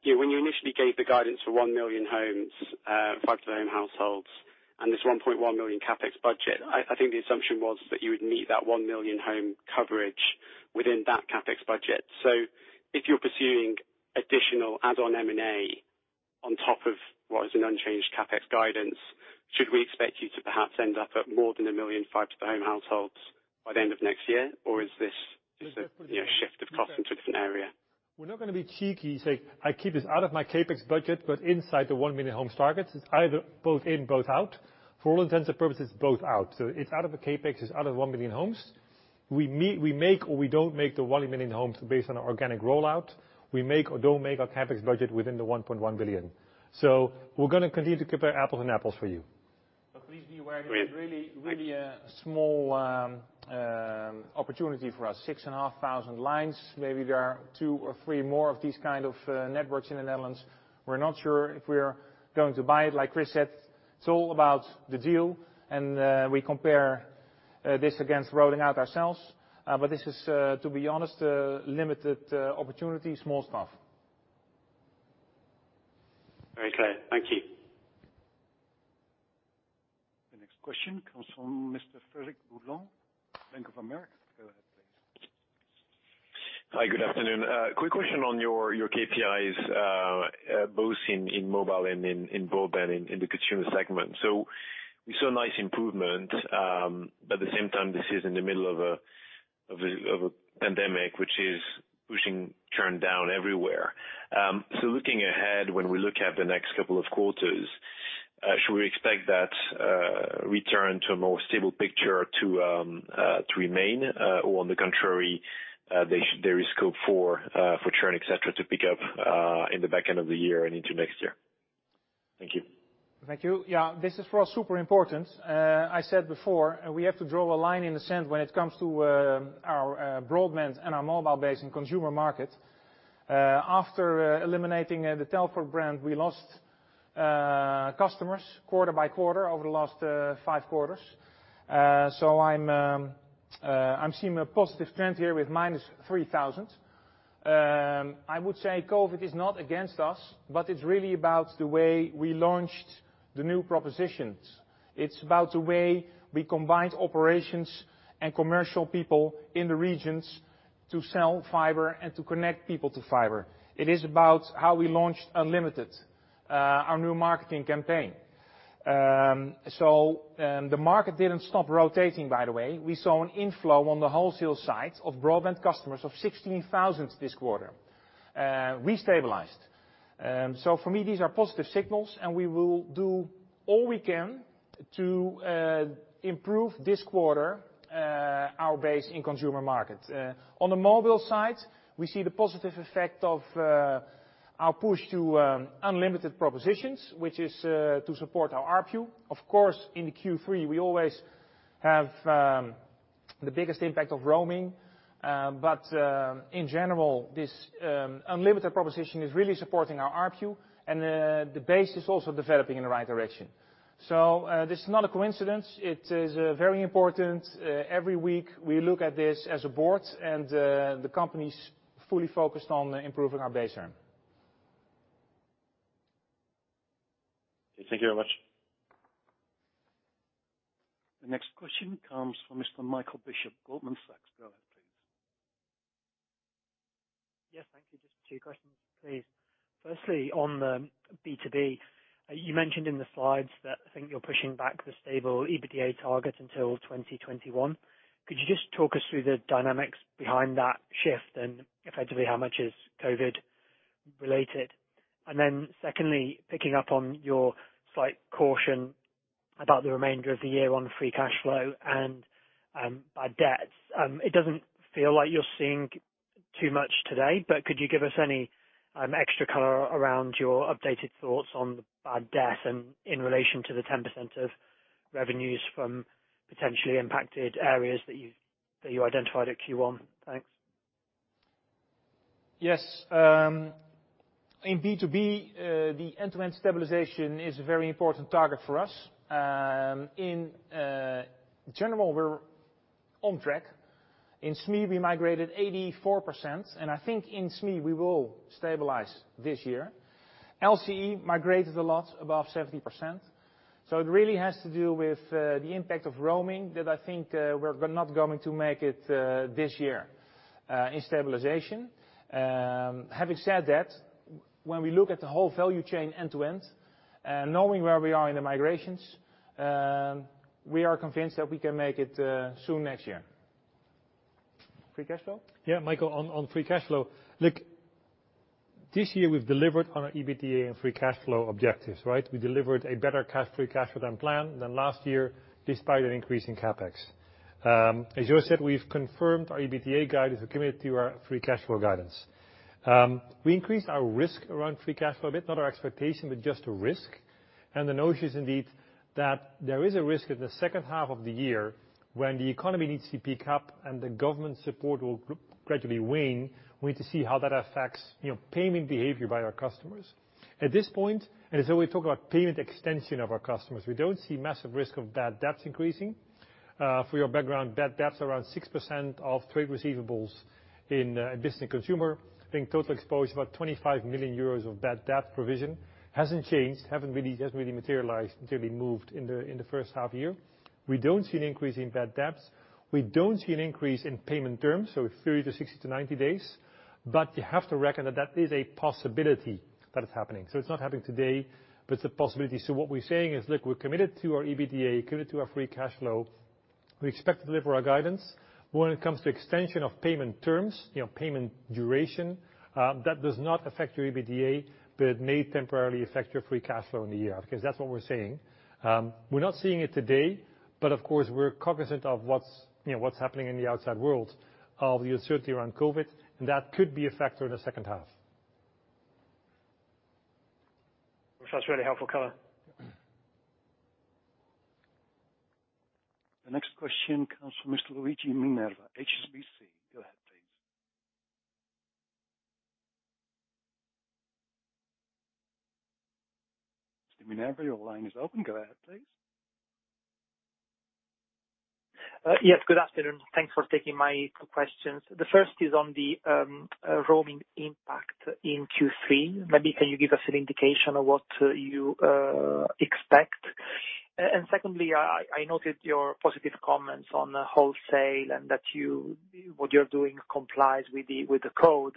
When you initially gave the guidance for 1 million homes, fiber to the home households, and this 1.1 billion CapEx budget, I think the assumption was that you would meet that 1 million home coverage within that CapEx budget. If you're pursuing additional add-on M&A on top of what is an unchanged CapEx guidance, should we expect you to perhaps end up at more than 1 million fiber to the home households by the end of next year? Is this just a shift of focus into a different area? We're not going to be cheeky, say, "I keep this out of my CapEx budget, but inside the 1 million homes targets." It's either both in, both out. For all intents and purposes, both out. It's out of the CapEx, it's out of 1 million homes. We make, or we don't make the 1 million homes based on our organic rollout. We make or don't make our CapEx budget within the 1.1 billion. We're going to continue to compare apples and apples for you. Okay. Please be aware, it is really a small opportunity for us, 6,500 lines. Maybe there are two or three more of these kind of networks in the Netherlands. We're not sure if we're going to buy it. Like Chris said, it's all about the deal, and we compare this against rolling out ourselves. This is, to be honest, a limited opportunity. Small stuff. Very clear. Thank you. The next question comes from Mr. Frederic Boulan, Bank of America. Go ahead, please. Hi, good afternoon. Quick question on your KPIs, both in mobile and in broadband in the consumer segment. We saw nice improvement, but at the same time, this is in the middle of a pandemic, which is pushing churn down everywhere. Looking ahead, when we look at the next couple of quarters, should we expect that return to a more stable picture to remain? On the contrary, there is scope for churn, et cetera, to pick up in the back end of the year and into next year? Thank you. Thank you. Yeah, this is for us, super important. I said before, we have to draw a line in the sand when it comes to our broadband and our mobile base in consumer market. After eliminating the Telfort brand, we lost customers quarter by quarter over the last five quarters. I'm seeing a positive trend here with -3,000. I would say COVID is not against us, but it's really about the way we launched the new propositions. It's about the way we combined operations and commercial people in the regions to sell fiber and to connect people to fiber. It is about how we launched Unlimited, our new marketing campaign. The market didn't stop rotating, by the way. We saw an inflow on the wholesale side of broadband customers of 16,000 this quarter. We stabilized. For me, these are positive signals, and we will do all we can to improve this quarter our base in consumer market. On the mobile side, we see the positive effect of our push to unlimited propositions, which is to support our ARPU. Of course, in Q3, we always have the biggest impact of roaming. In general, this unlimited proposition is really supporting our ARPU, and the base is also developing in the right direction. This is not a coincidence. It is very important. Every week we look at this as a board and the company's fully focused on improving our base there. Okay, thank you very much. The next question comes from Mr. Michael Bishop, Goldman Sachs. Go ahead, please. Yes, thank you. Just two questions, please. Firstly, on the B2B, you mentioned in the slides that I think you're pushing back the stable EBITDA target until 2021. Could you just talk us through the dynamics behind that shift? Effectively, how much is COVID related? Secondly, picking up on your slight caution about the remainder of the year on free cash flow and bad debts. It doesn't feel like you're seeing too much today. Could you give us any extra color around your updated thoughts on the bad debt and in relation to the 10% of revenues from potentially impacted areas that you identified at Q1? Thanks. Yes. In B2B, the end-to-end stabilization is a very important target for us. In general, we're on track. In SME, we migrated 84%, I think in SME, we will stabilize this year. LCE migrated a lot, above 70%. It really has to do with the impact of roaming that I think we're not going to make it this year in stabilization. Having said that, when we look at the whole value chain end to end, knowing where we are in the migrations, we are convinced that we can make it soon next year. Free cash flow? Michael, on free cash flow. Look, this year we've delivered on our EBITDA and free cash flow objectives, right? We delivered a better free cash flow than planned than last year, despite an increase in CapEx. As Joost said, we've confirmed our EBITDA guidance and committed to our free cash flow guidance. We increased our risk around free cash flow a bit, not our expectation, but just a risk. The notion is indeed that there is a risk in the second half of the year when the economy needs to pick up and the government support will gradually wane. We need to see how that affects payment behavior by our customers. At this point, and as we talk about payment extension of our customers, we don't see massive risk of bad debts increasing. For your background, bad debts are around 6% of trade receivables in business and consumer. I think total exposure is about 25 million euros of bad debt provision. Hasn't changed, hasn't really materialized until we moved in the first half year. We don't see an increase in bad debts. We don't see an increase in payment terms, 30 to 60 to 90 days. You have to reckon that that is a possibility that it's happening. It's not happening today, but it's a possibility. What we're saying is, look, we're committed to our EBITDA, committed to our free cash flow. We expect to deliver our guidance. When it comes to extension of payment terms, payment duration, that does not affect your EBITDA, but may temporarily affect your free cash flow in the year. Okay. That's what we're saying. We're not seeing it today, but of course, we're cognizant of what's happening in the outside world of the uncertainty around COVID, and that could be a factor in the second half. That's really helpful color. The next question comes from Mr. Luigi Minerva, HSBC. Go ahead, please. Mr. Minerva, your line is open. Go ahead, please. Yes, good afternoon. Thanks for taking my two questions. The first is on the roaming impact in Q3. Maybe can you give us an indication of what you expect? Secondly, I noted your positive comments on the wholesale and that what you're doing complies with the code.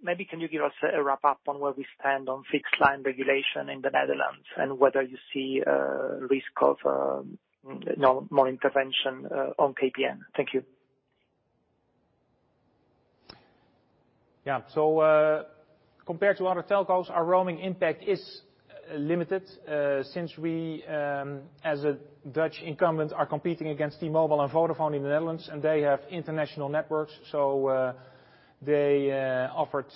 Maybe can you give us a wrap-up on where we stand on fixed line regulation in the Netherlands and whether you see a risk of more intervention on KPN? Thank you. Yeah. Compared to other telcos, our roaming impact is limited since we, as a Dutch incumbent, are competing against T-Mobile and Vodafone in the Netherlands, and they have international networks, so they offered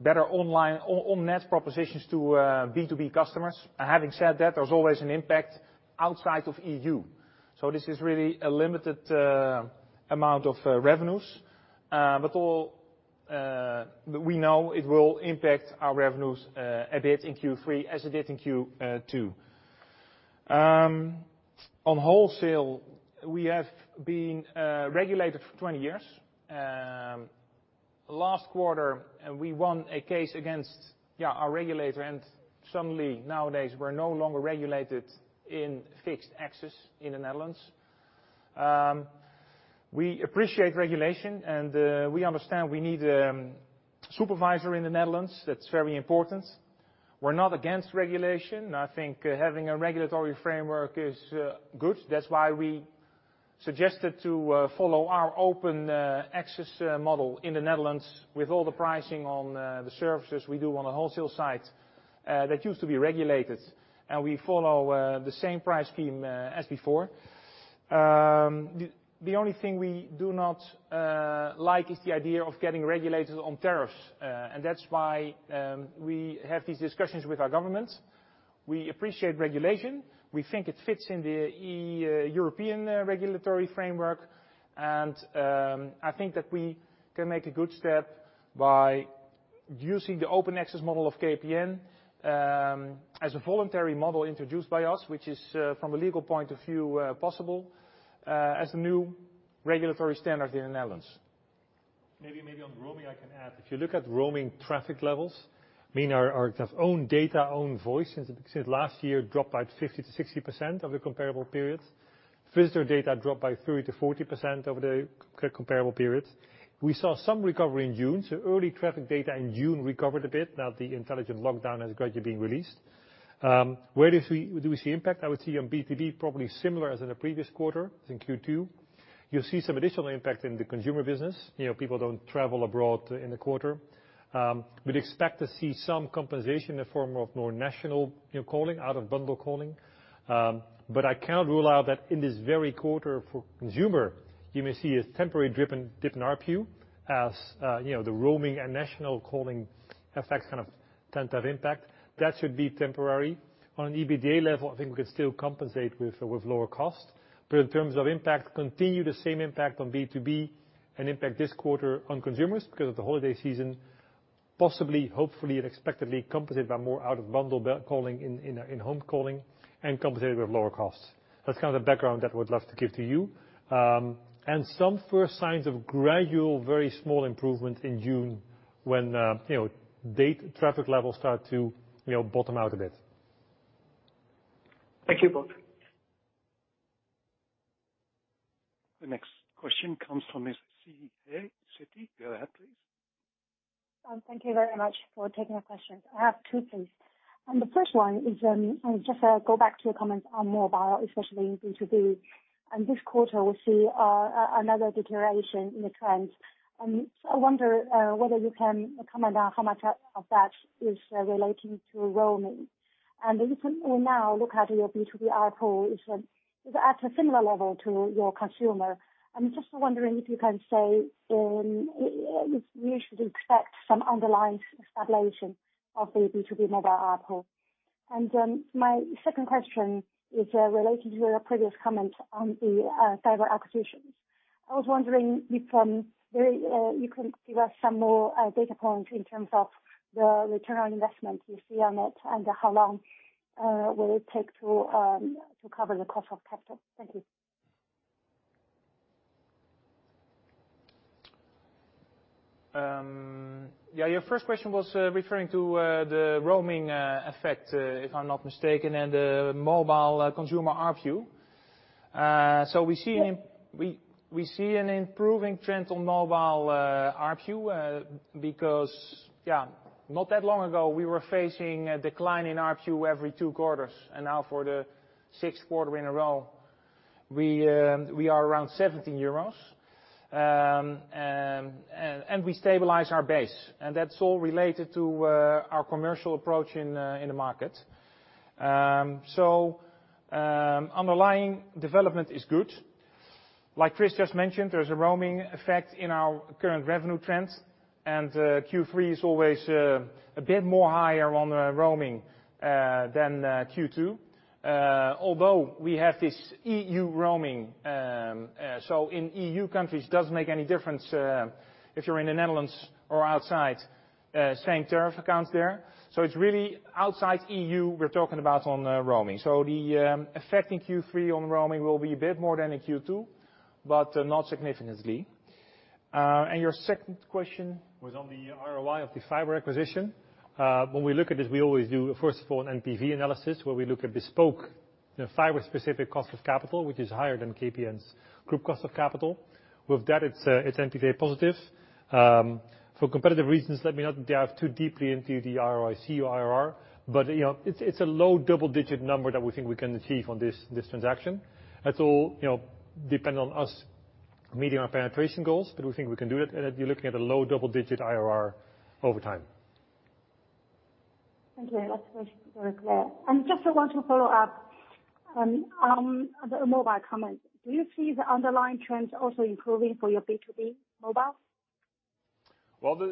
better online on-net propositions to B2B customers. Having said that, there's always an impact outside of E.U. This is really a limited amount of revenues. We know it will impact our revenues a bit in Q3 as it did in Q2. On wholesale, we have been regulated for 20 years. Last quarter, we won a case against our regulator and suddenly nowadays we're no longer regulated in fixed access in the Netherlands. We appreciate regulation, and we understand we need a supervisor in the Netherlands. That's very important. We're not against regulation. I think having a regulatory framework is good. That's why we suggested to follow our open access model in the Netherlands with all the pricing on the services we do on the wholesale side that used to be regulated, and we follow the same price scheme as before. The only thing we do not like is the idea of getting regulated on tariffs, and that's why we have these discussions with our government. We appreciate regulation. We think it fits in the European regulatory framework, and I think that we can make a good step by using the open access model of KPN as a voluntary model introduced by us, which is from a legal point of view possible, as the new regulatory standard in the Netherlands. Maybe on roaming, I can add. If you look at roaming traffic levels, our own data, own voice since last year dropped by 50%-60% of the comparable period. Visitor data dropped by 30%-40% over the comparable period. We saw some recovery in June, early traffic data in June recovered a bit now the intelligent lockdown has gradually been released. Where do we see impact? I would see on B2B probably similar as in the previous quarter, in Q2. You'll see some additional impact in the consumer business. People don't travel abroad in the quarter. We'd expect to see some compensation in the form of more national calling out of bundle calling. I cannot rule out that in this very quarter for consumer, you may see a temporary dip in ARPU as the roaming and national calling effects kind of tend to have impact. That should be temporary. On an EBITDA level, I think we can still compensate with lower cost. In terms of impact, continue the same impact on B2B and impact this quarter on consumers because of the holiday season, possibly, hopefully, and expectedly compensated by more out-of-bundle calling in home calling and compensated with lower costs. That's the background that I would love to give to you. Some first signs of gradual, very small improvement in June when data traffic levels start to bottom out a bit. Thank you both. The next question comes from Ms. Siyi He, Citi. Go ahead, please. Thank you very much for taking our questions. I have two, please. The first one is just to go back to your comments on mobile, especially in B2B. This quarter we see another deterioration in the trends. I wonder whether you can comment on how much of that is relating to roaming. If we now look at your B2B ARPU, is it at a similar level to your consumer? I'm just wondering if you can say if we should expect some underlying stabilization of the B2B mobile ARPU. My second question is related to your previous comment on the fiber acquisitions. I was wondering if you can give us some more data points in terms of the return on investment you see on it, and how long will it take to cover the cost of capital. Thank you. Your first question was referring to the roaming effect, if I'm not mistaken, and the mobile consumer ARPU. We see an improving trend on mobile ARPU because, not that long ago, we were facing a decline in ARPU every two quarters, and now for the sixth quarter in a row, we are around EUR 17. We stabilize our base, and that's all related to our commercial approach in the market. Underlying development is good. Like Chris just mentioned, there's a roaming effect in our current revenue trends, and Q3 is always a bit more higher on the roaming than Q2. Although we have this E.U. roaming, so in E.U. countries, it doesn't make any difference if you're in the Netherlands or outside, same tariff accounts there. It's really outside E.U. We're talking about on roaming. The effect in Q3 on roaming will be a bit more than in Q2, but not significantly. Your second question. Was on the ROI of the fiber acquisition. When we look at this, we always do, first of all, an NPV analysis, where we look at bespoke fiber-specific cost of capital, which is higher than KPN's Group cost of capital. With that, it is NPV positive. For competitive reasons, let me not dive too deeply into the ROIC or IRR, but it is a low double-digit number that we think we can achieve on this transaction. That is all dependent on us meeting our penetration goals, but we think we can do it, and you are looking at a low double-digit IRR over time. Thank you. Last question, very clear. I just want to follow up on the mobile comment. Do you see the underlying trends also improving for your B2B mobile?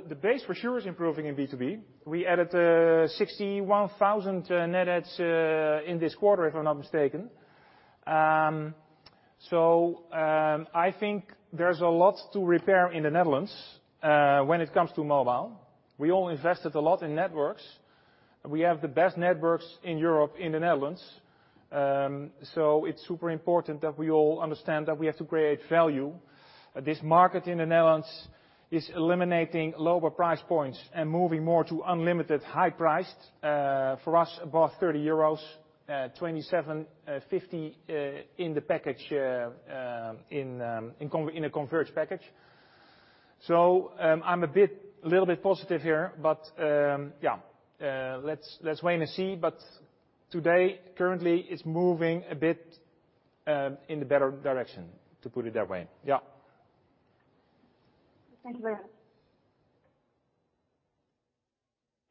The base for sure is improving in B2B. We added 61,000 net adds in this quarter, if I'm not mistaken. I think there's a lot to repair in the Netherlands when it comes to mobile. We all invested a lot in networks. We have the best networks in Europe in the Netherlands. It's super important that we all understand that we have to create value. This market in the Netherlands is eliminating lower price points and moving more to unlimited high price. For us, above 30 euros, 27.50 in a converged package. I'm a little bit positive here, let's wait and see. Today, currently, it's moving a bit in the better direction, to put it that way. Yeah. Thank you very much.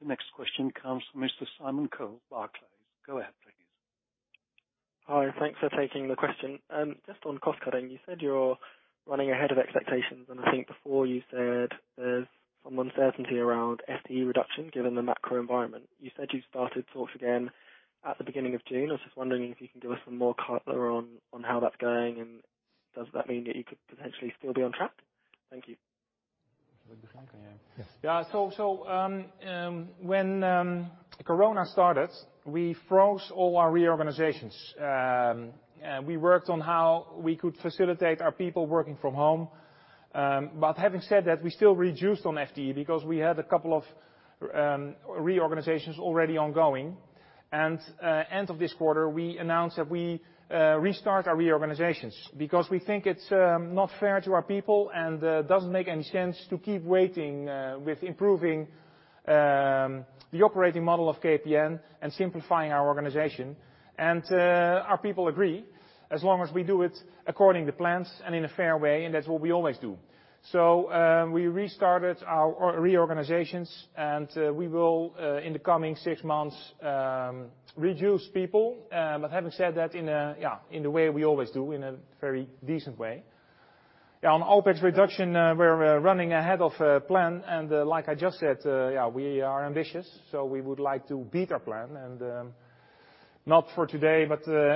The next question comes from Mr. Simon Coles, Barclays. Go ahead, please. Hi, thanks for taking the question. Just on cost cutting, you said you're running ahead of expectations, and I think before you said there's some uncertainty around FTE reduction given the macro environment. You said you started reorgs again at the beginning of June. I was just wondering if you can give us some more color on how that's going, and does that mean that you could potentially still be on track? Thank you. When Corona started, we froze all our reorganizations. We worked on how we could facilitate our people working from home. Having said that, we still reduced on FTE because we had a couple of reorganizations already ongoing. End of this quarter, we announced that we restart our reorganizations because we think it's not fair to our people and doesn't make any sense to keep waiting with improving the operating model of KPN and simplifying our organization. Our people agree as long as we do it according to plans and in a fair way, and that's what we always do. We restarted our reorganizations, and we will, in the coming six months, reduce people. Having said that, in the way we always do, in a very decent way. On OpEx reduction, we're running ahead of plan, like I just said, we are ambitious, we would like to beat our plan. Not for today,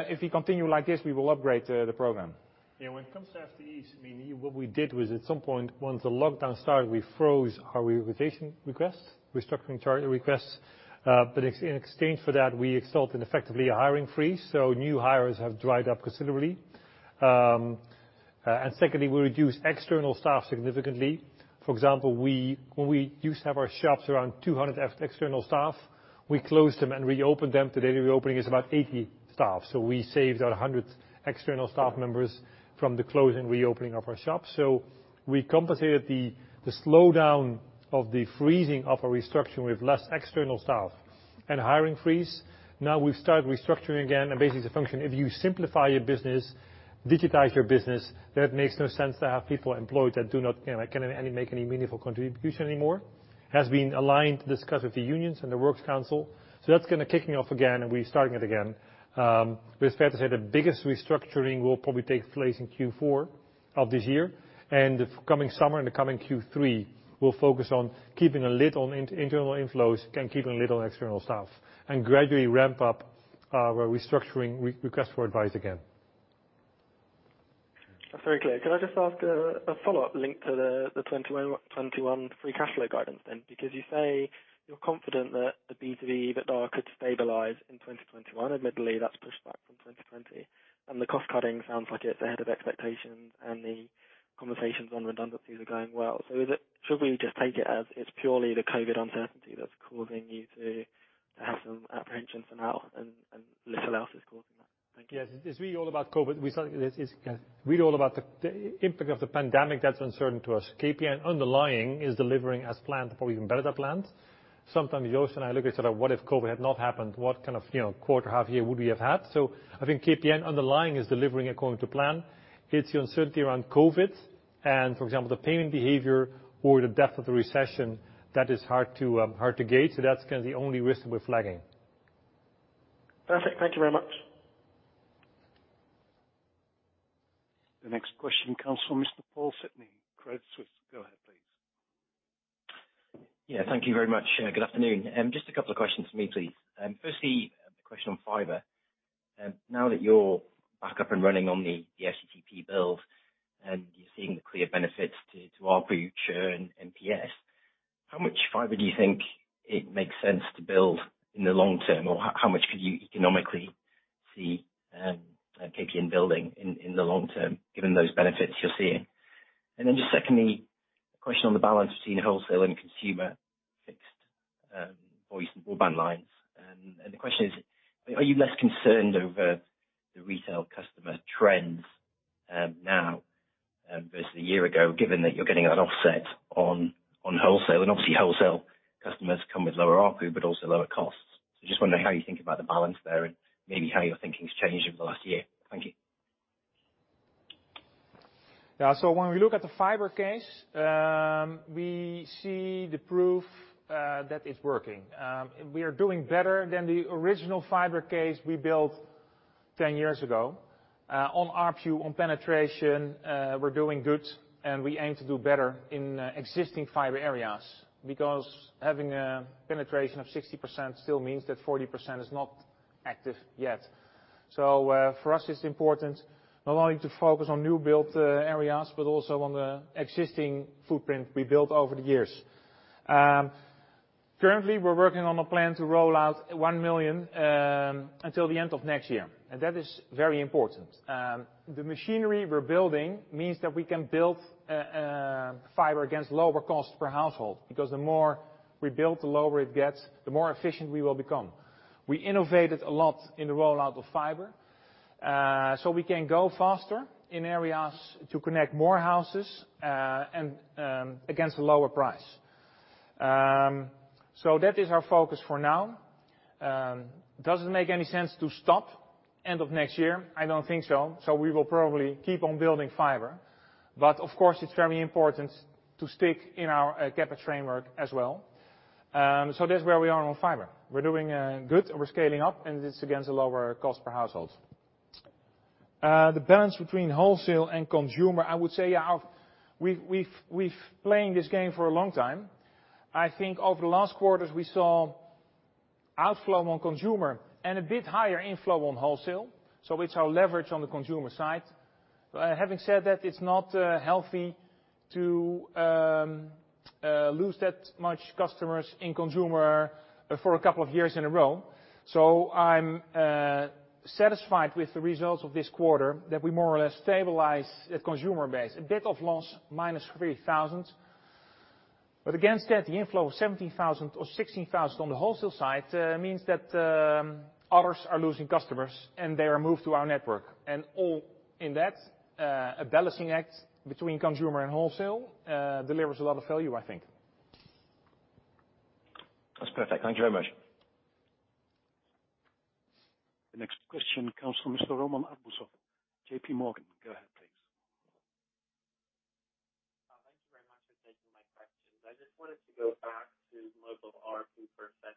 if we continue like this, we will upgrade the program. When it comes to FTEs, what we did was at some point, once the lockdown started, we froze our reorganization requests, restructuring charter requests. In exchange for that, we resulted in effectively a hiring freeze. New hires have dried up considerably. Secondly, we reduced external staff significantly. For example, when we used to have our shops around 200 external staff, we closed them and reopened them. Today, reopening is about 80 staff. We saved 100 external staff members from the close and reopening of our shops. We compensated the slowdown of the freezing of our restructure with less external staff and hiring freeze. We've started restructuring again, and basically, the function, if you simplify your business, digitize your business, that makes no sense to have people employed that do not make any meaningful contribution anymore, has been aligned, discussed with the unions and the works council. That's going to kicking off again and restarting it again. It's fair to say the biggest restructuring will probably take place in Q4 of this year. The coming summer and the coming Q3 will focus on keeping a lid on internal inflows and keeping a lid on external staff, and gradually ramp up our restructuring request for advice again. That's very clear. Can I just ask a follow-up link to the 2021 free cash flow guidance then? Because you say you're confident that the B2B, EBITDA could stabilize in 2021. Admittedly, that's pushed back from 2020, and the cost-cutting sounds like it's ahead of expectations, and the conversations on redundancies are going well. Should we just take it as it's purely the COVID uncertainty that's causing you to have some apprehension for now and little else is causing that? Thank you. Yes. It's really all about COVID. It's really all about the impact of the pandemic that's uncertain to us. KPN underlying is delivering as planned, probably even better than planned. Sometimes Joost and I look and say, "What if COVID had not happened? What kind of quarter half year would we have had?" I think KPN underlying is delivering according to plan. It's the uncertainty around COVID and, for example, the payment behavior or the depth of the recession that is hard to gauge. That's the only risk we're flagging. Perfect. Thank you very much. The next question comes from Mr. Paul Sidney, Credit Suisse. Go ahead, please. Thank you very much. Good afternoon. Just a couple of questions for me, please. Firstly, a question on fiber. Now that you're back up and running on the FTTP build and you're seeing the clear benefits to ARPU, churn, and NPS, how much fiber do you think it makes sense to build in the long term, or how much could you economically see KPN building in the long term, given those benefits you're seeing? Just secondly, a question on the balance between wholesale and consumer fixed voice broadband lines. The question is, are you less concerned over the retail customer trends now versus a year ago, given that you're getting that offset on wholesale? Obviously, wholesale customers come with lower ARPU, but also lower costs. Just wondering how you think about the balance there and maybe how your thinking's changed over the last year. Thank you. When we look at the fiber case, we see the proof that it's working. We are doing better than the original fiber case we built 10 years ago. On ARPU, on penetration, we're doing good, and we aim to do better in existing fiber areas because having a penetration of 60% still means that 40% is not active yet. For us, it's important not only to focus on new build areas but also on the existing footprint we built over the years. Currently, we're working on a plan to roll out 1 million until the end of next year. That is very important. The machinery we're building means that we can build fiber against lower cost per household because the more we build, the lower it gets, the more efficient we will become. We innovated a lot in the rollout of fiber, so we can go faster in areas to connect more houses and against a lower price. That is our focus for now. Does it make any sense to stop end of next year? I don't think so. We will probably keep on building fiber. Of course, it's very important to stick in our CapEx framework as well. That's where we are on fiber. We're doing good, and we're scaling up, and it's against a lower cost per household. The balance between wholesale and consumer, I would say, we've playing this game for a long time. I think over the last quarters, we saw outflow on consumer and a bit higher inflow on wholesale, so it's our leverage on the consumer side. Having said that, it's not healthy to lose that much customers in consumer for a couple of years in a row. I'm satisfied with the results of this quarter that we more or less stabilize the consumer base, a bit of loss, -3,000. Against that, the inflow of 17,000 or 16,000 on the wholesale side means that others are losing customers, and they are moved to our network. All in that, a balancing act between consumer and wholesale delivers a lot of value, I think. That's perfect. Thank you very much. The next question comes from Mr. Roman Arbuzov, JPMorgan. Go ahead, please. Thank you very much for taking my questions. I just wanted to go back to mobile ARPU for a second.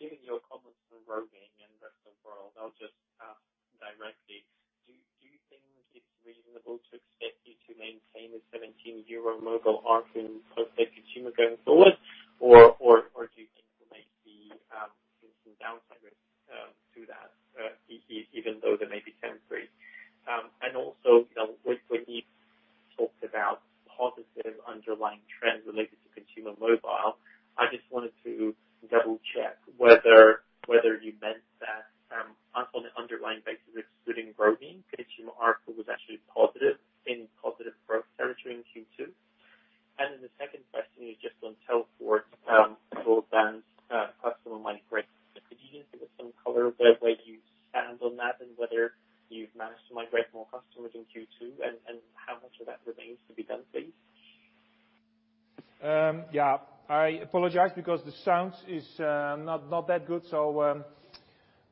Given your comments on roaming and rest of world, I'll just ask directly, do you think it's reasonable to expect you to maintain the 17 mobile ARPU per consumer going forward, or do you think there might be some downside risk to that, even though they may be temporary? Also, when you talked about positive underlying trends related to consumer mobile, I just wanted to double-check whether you meant on the underlying basis, excluding roaming, consumer ARPU was actually positive, in positive territory in Q2? Then the second question is just on Telfort, broadband customer migration. Could you just give us some color where you stand on that and whether you've managed to migrate more customers in Q2 and how much of that remains to be done, please? Yeah, I apologize because the sound is not that good, so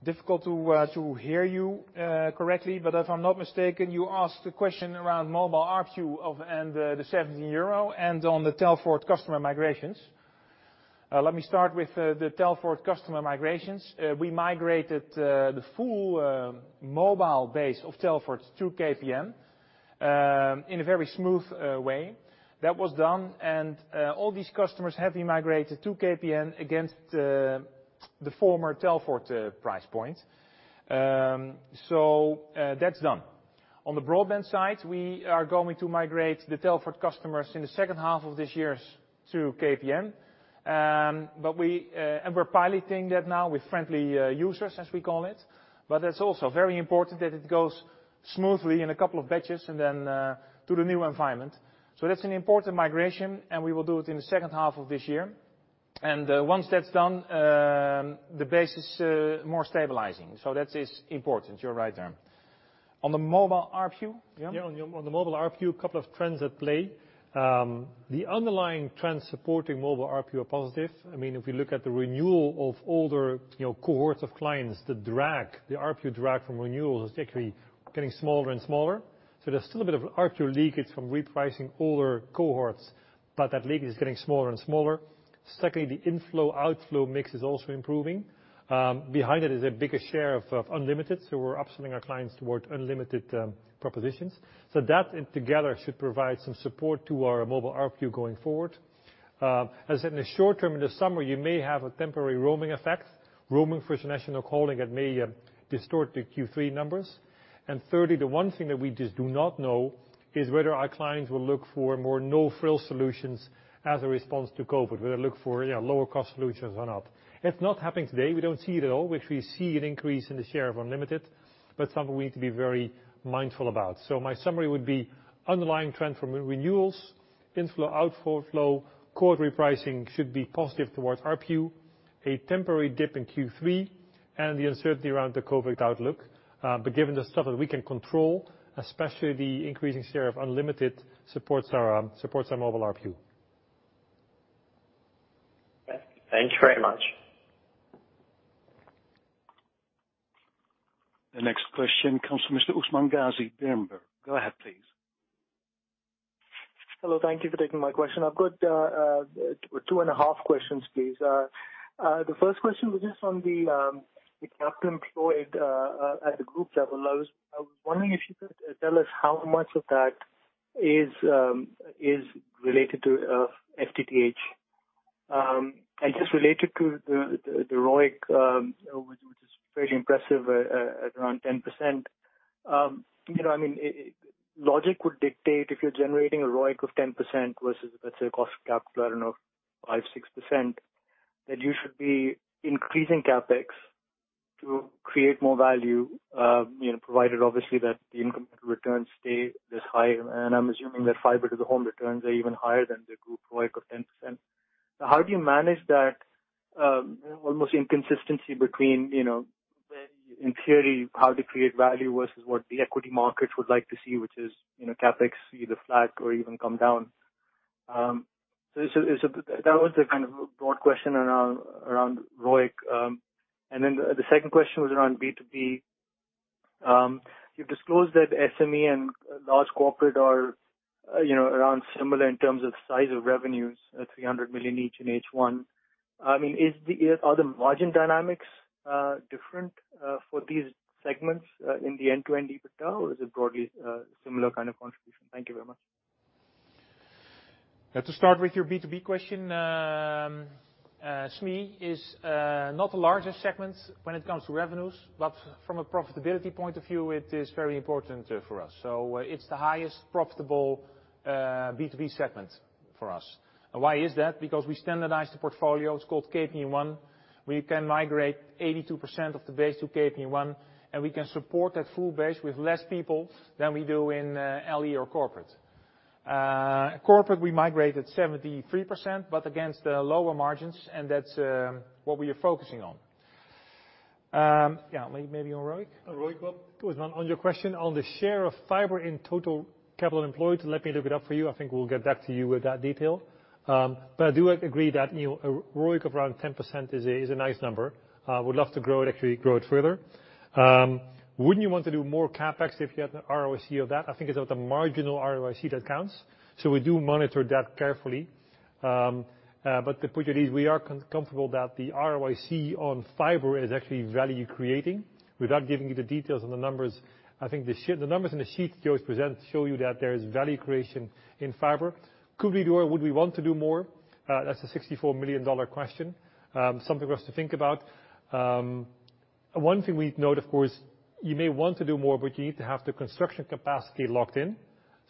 difficult to hear you correctly. If I'm not mistaken, you asked a question around mobile ARPU and the 17 euro and on the Telfort customer migrations. Let me start with the Telfort customer migrations. We migrated the full mobile base of Telfort to KPN in a very smooth way. That was done, and all these customers have migrated to KPN against the former Telfort price point. That's done. On the broadband side, we are going to migrate the Telfort customers in the second half of this year to KPN. We're piloting that now with friendly users, as we call it, but that's also very important that it goes smoothly in a couple of batches and then to the new environment. That's an important migration, and we will do it in the second half of this year. Once that's done, the base is more stabilizing. That is important. You're right there. On the mobile ARPU, yeah? Yeah, on the mobile ARPU, a couple of trends at play. The underlying trends supporting mobile ARPU are positive. If we look at the renewal of older cohorts of clients, the ARPU drag from renewals is actually getting smaller and smaller. There's still a bit of an ARPU leakage from repricing older cohorts, but that leakage is getting smaller and smaller. Secondly, the inflow-outflow mix is also improving. Behind it is a bigger share of unlimited, so we're upselling our clients toward unlimited propositions. That together should provide some support to our mobile ARPU going forward. As in the short term, in the summer, you may have a temporary roaming effect. Roaming versus national calling, it may distort the Q3 numbers. Thirdly, the one thing that we just do not know is whether our clients will look for more no-frill solutions as a response to COVID, whether they look for lower cost solutions or not. It’s not happening today. We don’t see it at all. We actually see an increase in the share of unlimited, but something we need to be very mindful about. My summary would be underlying trend from renewals, inflow, outflow, core repricing should be positive towards ARPU. A temporary dip in Q3 and the uncertainty around the COVID outlook. Given the stuff that we can control, especially the increasing share of unlimited supports our mobile ARPU. Okay. Thank you very much. The next question comes from Mr. Usman Ghazi, Berenberg. Go ahead, please. Hello. Thank you for taking my question. I've got two and a half questions, please. The first question was just on the capital employed at the Group level. I was wondering if you could tell us how much of that is related to FTTH. Just related to the ROIC, which is very impressive at around 10%. Logic would dictate if you're generating a ROIC of 10% versus, let's say, a cost of capital of 5%, 6%, that you should be increasing CapEx to create more value, provided obviously that the incremental returns stay this high. I'm assuming that fiber to the home returns are even higher than the Group ROIC of 10%. How do you manage that almost inconsistency between, in theory, how to create value versus what the equity market would like to see, which is, CapEx either flat or even come down. That was a broad question around ROIC. The second question was around B2B. You've disclosed that SME and Large Corporate are around similar in terms of size of revenues at 300 million each in H1. Are the margin dynamics different for these segments in the end-to-end EBITDA, or is it broadly a similar kind of contribution? Thank you very much. To start with your B2B question, SME is not the largest segment when it comes to revenues, but from a profitability point of view, it is very important for us. It's the highest profitable B2B segment for us. Why is that? Because we standardized the portfolio. It's called KPN One. We can migrate 82% of the base to KPN One, and we can support that full base with less people than we do in LE or corporate. Corporate, we migrated 73%, but against lower margins, and that's what we are focusing on. Yeah, maybe on ROIC. On ROIC, Usman, on your question on the share of fiber in total capital employed, let me look it up for you. I think we'll get back to you with that detail. I do agree that a ROIC of around 10% is a nice number. Would love to grow it actually, grow it further. Wouldn't you want to do more CapEx if you had an ROIC of that? I think it's about the marginal ROIC that counts. We do monitor that carefully. The point it is, we are comfortable that the ROIC on fiber is actually value creating without giving you the details on the numbers. I think the numbers in the sheets Joost presented show you that there is value creation in fiber. Could we do or would we want to do more? That's a EUR 64 million question. Something for us to think about. One thing we note, of course. You may want to do more, but you need to have the construction capacity locked in.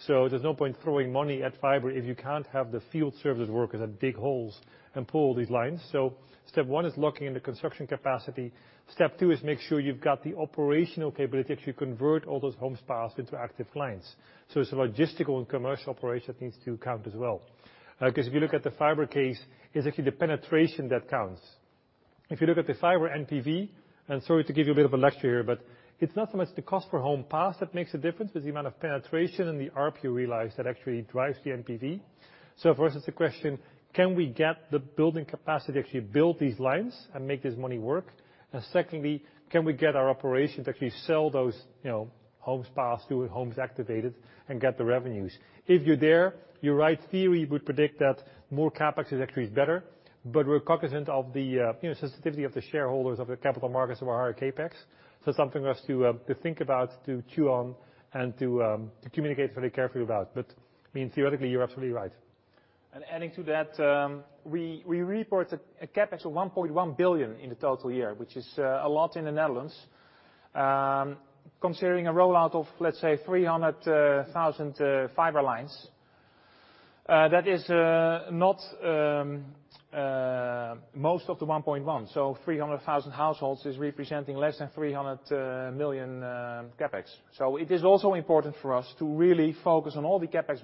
There's no point throwing money at fiber if you can't have the field service workers that dig holes and pull these lines. Step one is locking in the construction capacity. Step two is make sure you've got the operational capability to convert all those homes passed into active clients. It's a logistical and commercial operation that needs to count as well. Because if you look at the fiber case, it's actually the penetration that counts. If you look at the fiber NPV, and sorry to give you a bit of a lecture here, but it's not so much the cost per home passed that makes a difference, but the amount of penetration and the ARPU realized that actually drives the NPV. For us, it's a question, can we get the building capacity to actually build these lines and make this money work? Secondly, can we get our operations to actually sell those homes passed to homes activated and get the revenues? If you're there, your right theory would predict that more CapEx is actually better. We're cognizant of the sensitivity of the shareholders of the capital markets of our higher CapEx. Something for us to think about, to chew on, and to communicate very carefully about. Theoretically, you're absolutely right. Adding to that, we report a CapEx of 1.1 billion in the total year, which is a lot in the Netherlands. Considering a rollout of, let's say, 300,000 fiber lines. That is not most of the 1.1 billion. 300,000 households is representing less than 300 million CapEx. It is also important for us to really focus on all the CapEx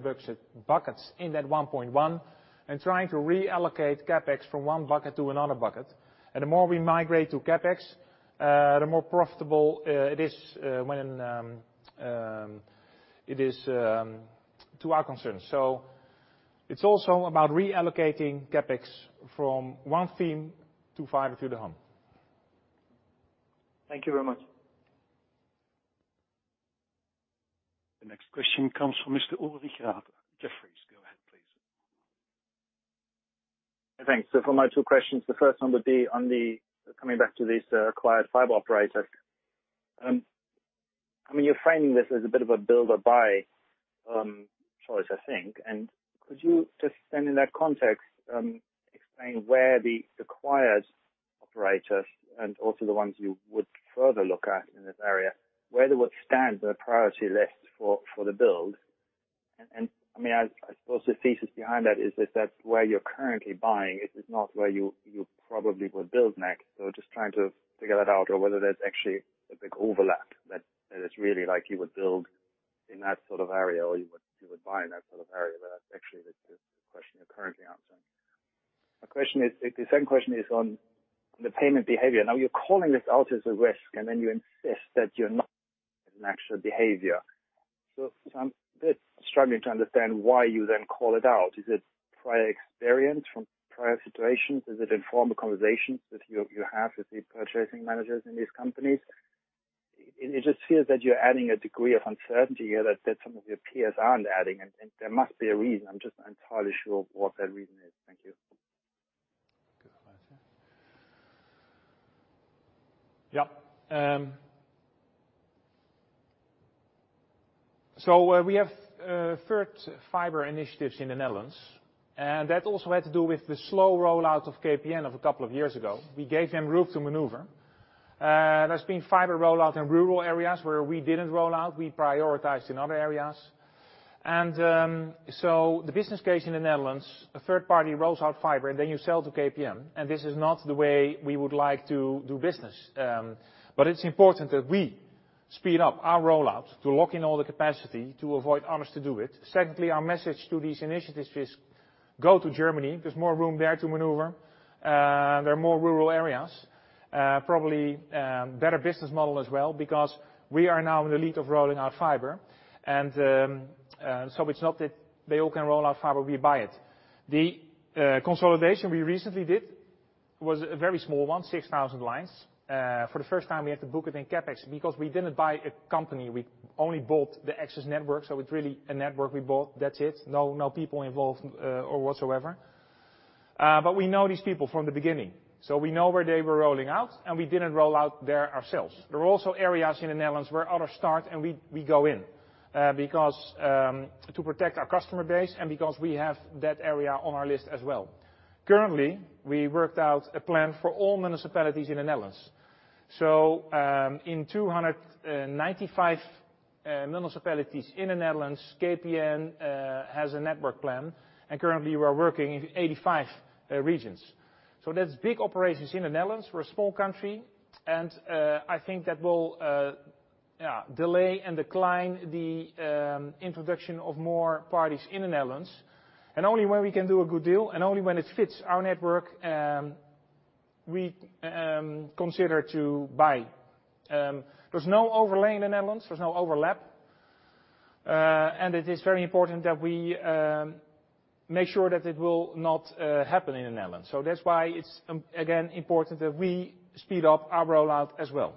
buckets in that 1.1 billion and trying to reallocate CapEx from one bucket to another bucket. The more we migrate to CapEx, the more profitable it is to our concerns. It's also about reallocating CapEx from one theme to fiber to the home. Thank you very much. The next question comes from Mr. Ulrich Rathe, Jefferies. Go ahead, please. Thanks. For my two questions, the first one would be on the, coming back to these acquired fiber operators. You're framing this as a bit of a build or buy choice, I think. Could you just then in that context, explain where the acquired operators and also the ones you would further look at in this area, where they would stand on a priority list for the build? I suppose the thesis behind that is if that's where you're currently buying, it is not where you probably would build next. Just trying to figure that out or whether there's actually a big overlap that is really like you would build in that sort of area or you would buy in that sort of area. That actually is the question you're currently answering. The second question is on the payment behavior. You're calling this out as a risk. You insist that you're not seeing it as an actual behavior. I'm a bit struggling to understand why you call it out. Is it prior experience from prior situations? Is it informal conversations that you have with the purchasing managers in these companies? It just feels that you're adding a degree of uncertainty here that some of your peers aren't adding. There must be a reason. I'm just not entirely sure what that reason is. Thank you. Go for it. Yeah. We have third [party] fiber initiatives in the Netherlands, and that also had to do with the slow rollout of KPN of a couple of years ago. We gave them room to maneuver. There's been fiber rollout in rural areas where we didn't roll out. We prioritized in other areas. The business case in the Netherlands, a third party rolls out fiber, and then you sell to KPN, and this is not the way we would like to do business. It's important that we speed up our rollout to lock in all the capacity to avoid others to do it. Secondly, our message to these initiatives is go to Germany. There's more room there to maneuver. There are more rural areas. Probably better business model as well because we are now in the lead of rolling out fiber. It's not that they all can roll out fiber, we buy it. The consolidation we recently did was a very small one, 6,000 lines. For the first time, we had to book it in CapEx because we didn't buy a company. We only bought the access network. It's really a network we bought, that's it. No people involved or whatsoever. We know these people from the beginning. We know where they were rolling out, and we didn't roll out there ourselves. There are also areas in the Netherlands where others start, and we go in to protect our customer base and because we have that area on our list as well. Currently, we worked out a plan for all municipalities in the Netherlands. In 295 municipalities in the Netherlands, KPN has a network plan, and currently we are working in 85 regions. There's big operations in the Netherlands. We're a small country, and I think that will delay and decline the introduction of more parties in the Netherlands. Only when we can do a good deal and only when it fits our network, we consider to buy. There's no overlay in the Netherlands. There's no overlap. It is very important that we make sure that it will not happen in the Netherlands. That's why it's, again, important that we speed up our rollout as well.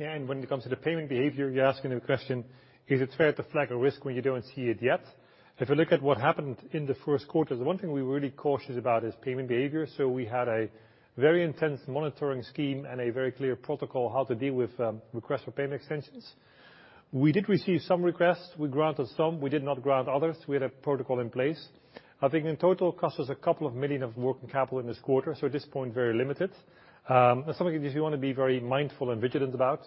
Yeah, when it comes to the payment behavior, you're asking the question, is it fair to flag a risk when you don't see it yet? If you look at what happened in the first quarter, the one thing we're really cautious about is payment behavior. We had a very intense monitoring scheme and a very clear protocol how to deal with requests for payment extensions. We did receive some requests. We granted some, we did not grant others. We had a protocol in place. I think in total, it cost us a couple of million of working capital in this quarter, at this point, very limited. Something that we want to be very mindful and vigilant about.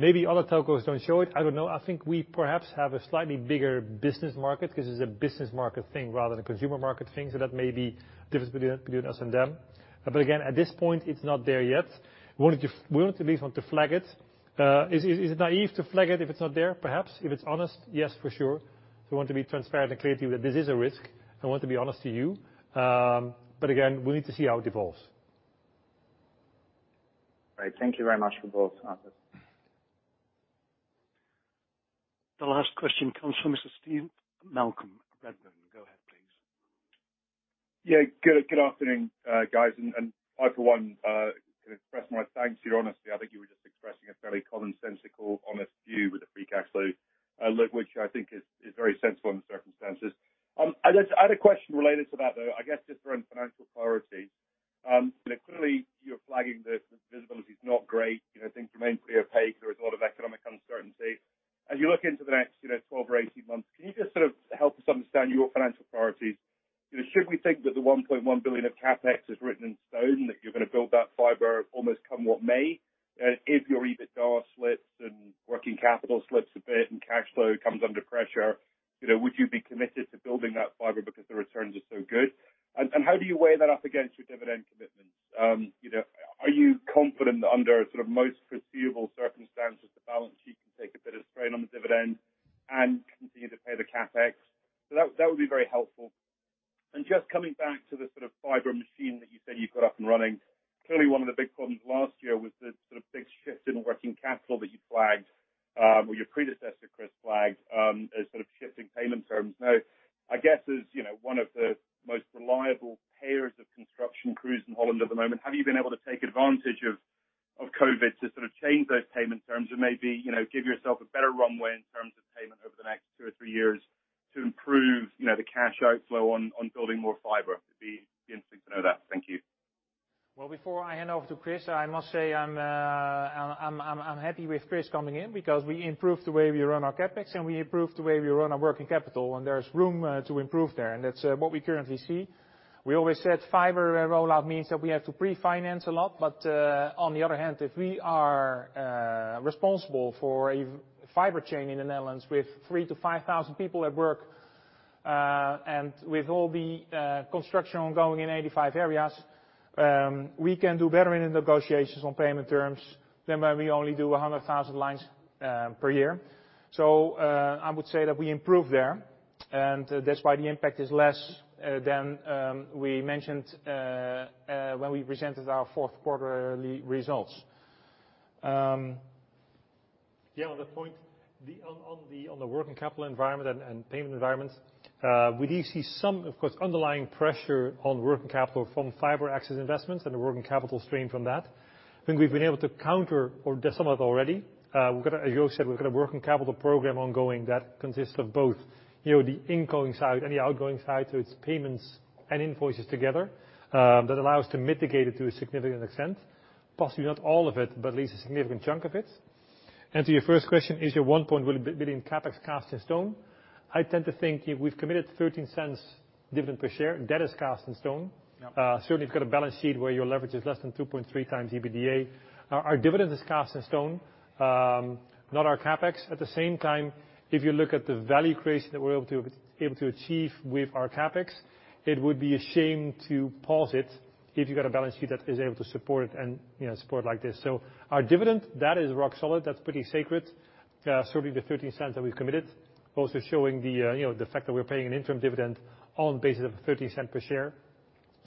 Maybe other telcos don't show it. I don't know. I think we perhaps have a slightly bigger business market because it's a business market thing rather than a consumer market thing, so that may be difference between us and them. Again, at this point, it's not there yet. We want to at least flag it. Is it naive to flag it if it's not there? Perhaps. If it's honest, yes, for sure. We want to be transparent and clear to you that this is a risk. I want to be honest to you. Again, we need to see how it evolves. Right. Thank you very much for both answers. The last question comes from Mr. Steve Malcolm, Redburn. Go ahead, please. Good afternoon, guys. I, for one, can express my thanks for your honesty. I think you were just we can do better in the negotiations on payment terms than when we only do 100,000 lines per year. I would say that we improved there, and that's why the impact is less than we mentioned when we presented our fourth quarterly results. On that point, on the working capital environment and payment environment, we do see some, of course, underlying pressure on working capital from fiber access investments and the working capital strain from that. I think we've been able to counter or do some of it already. As Joost said, we've got a working capital program ongoing that consists of both the incoming side and the outgoing side, so it's payments and invoices together, that allow us to mitigate it to a significant extent, possibly not all of it, but at least a significant chunk of it. To your first question, is your 1.1 billion CapEx cast in stone? I tend to think if we've committed 0.13 dividend per share, that is cast in stone. Yep. Certainly if you've got a balance sheet where your leverage is less than 2.3x EBITDA. Our dividend is cast in stone, not our CapEx. At the same time, if you look at the value creation that we're able to achieve with our CapEx, it would be a shame to pause it if you've got a balance sheet that is able to support it and, you know, support like this. Our dividend, that is rock solid, that's pretty sacred, certainly the 0.13 that we've committed, also showing the fact that we're paying an interim dividend on the basis of 0.13 per share.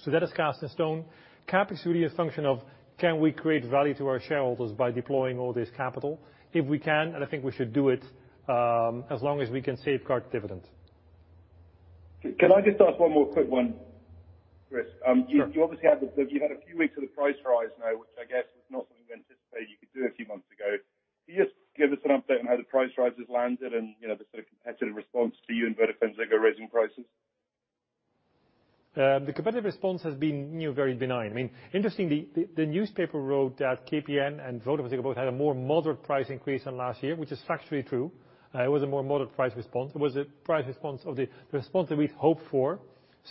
That is cast in stone. CapEx is really a function of can we create value to our shareholders by deploying all this capital? If we can, and I think we should do it, as long as we can safeguard dividends. Can I just ask one more quick one, Chris? Sure. You obviously have had a few weeks of the price rise now, which I guess was not something you anticipated you could do a few months ago. Can you just give us an update on how the price rise has landed and the competitive response to you and VodafoneZiggo raising prices? The competitive response has been very benign. Interestingly, the newspaper wrote that KPN and VodafoneZiggo both had a more moderate price increase than last year, which is factually true. It was a more moderate price response. It was a price response of the response that we'd hoped for.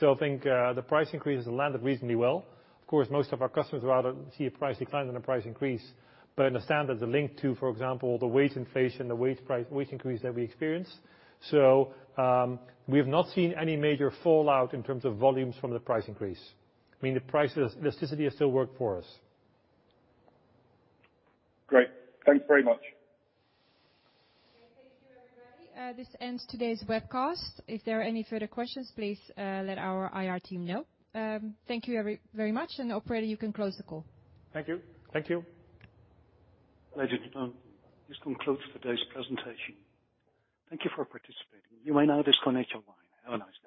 I think the price increase has landed reasonably well. Of course, most of our customers would rather see a price decline than a price increase, but understand that they're linked to, for example, the wage inflation, the wage increase that we experienced. We've not seen any major fallout in terms of volumes from the price increase. The price elasticity has still worked for us. Great. Thanks very much. Thank you, everybody. This ends today's webcast. If there are any further questions, please let our IR team know. Thank you very much. Operator, you can close the call. Thank you. Thank you. Ladies and gentlemen, this concludes today's presentation. Thank you for participating. You may now disconnect your line. Have a nice day.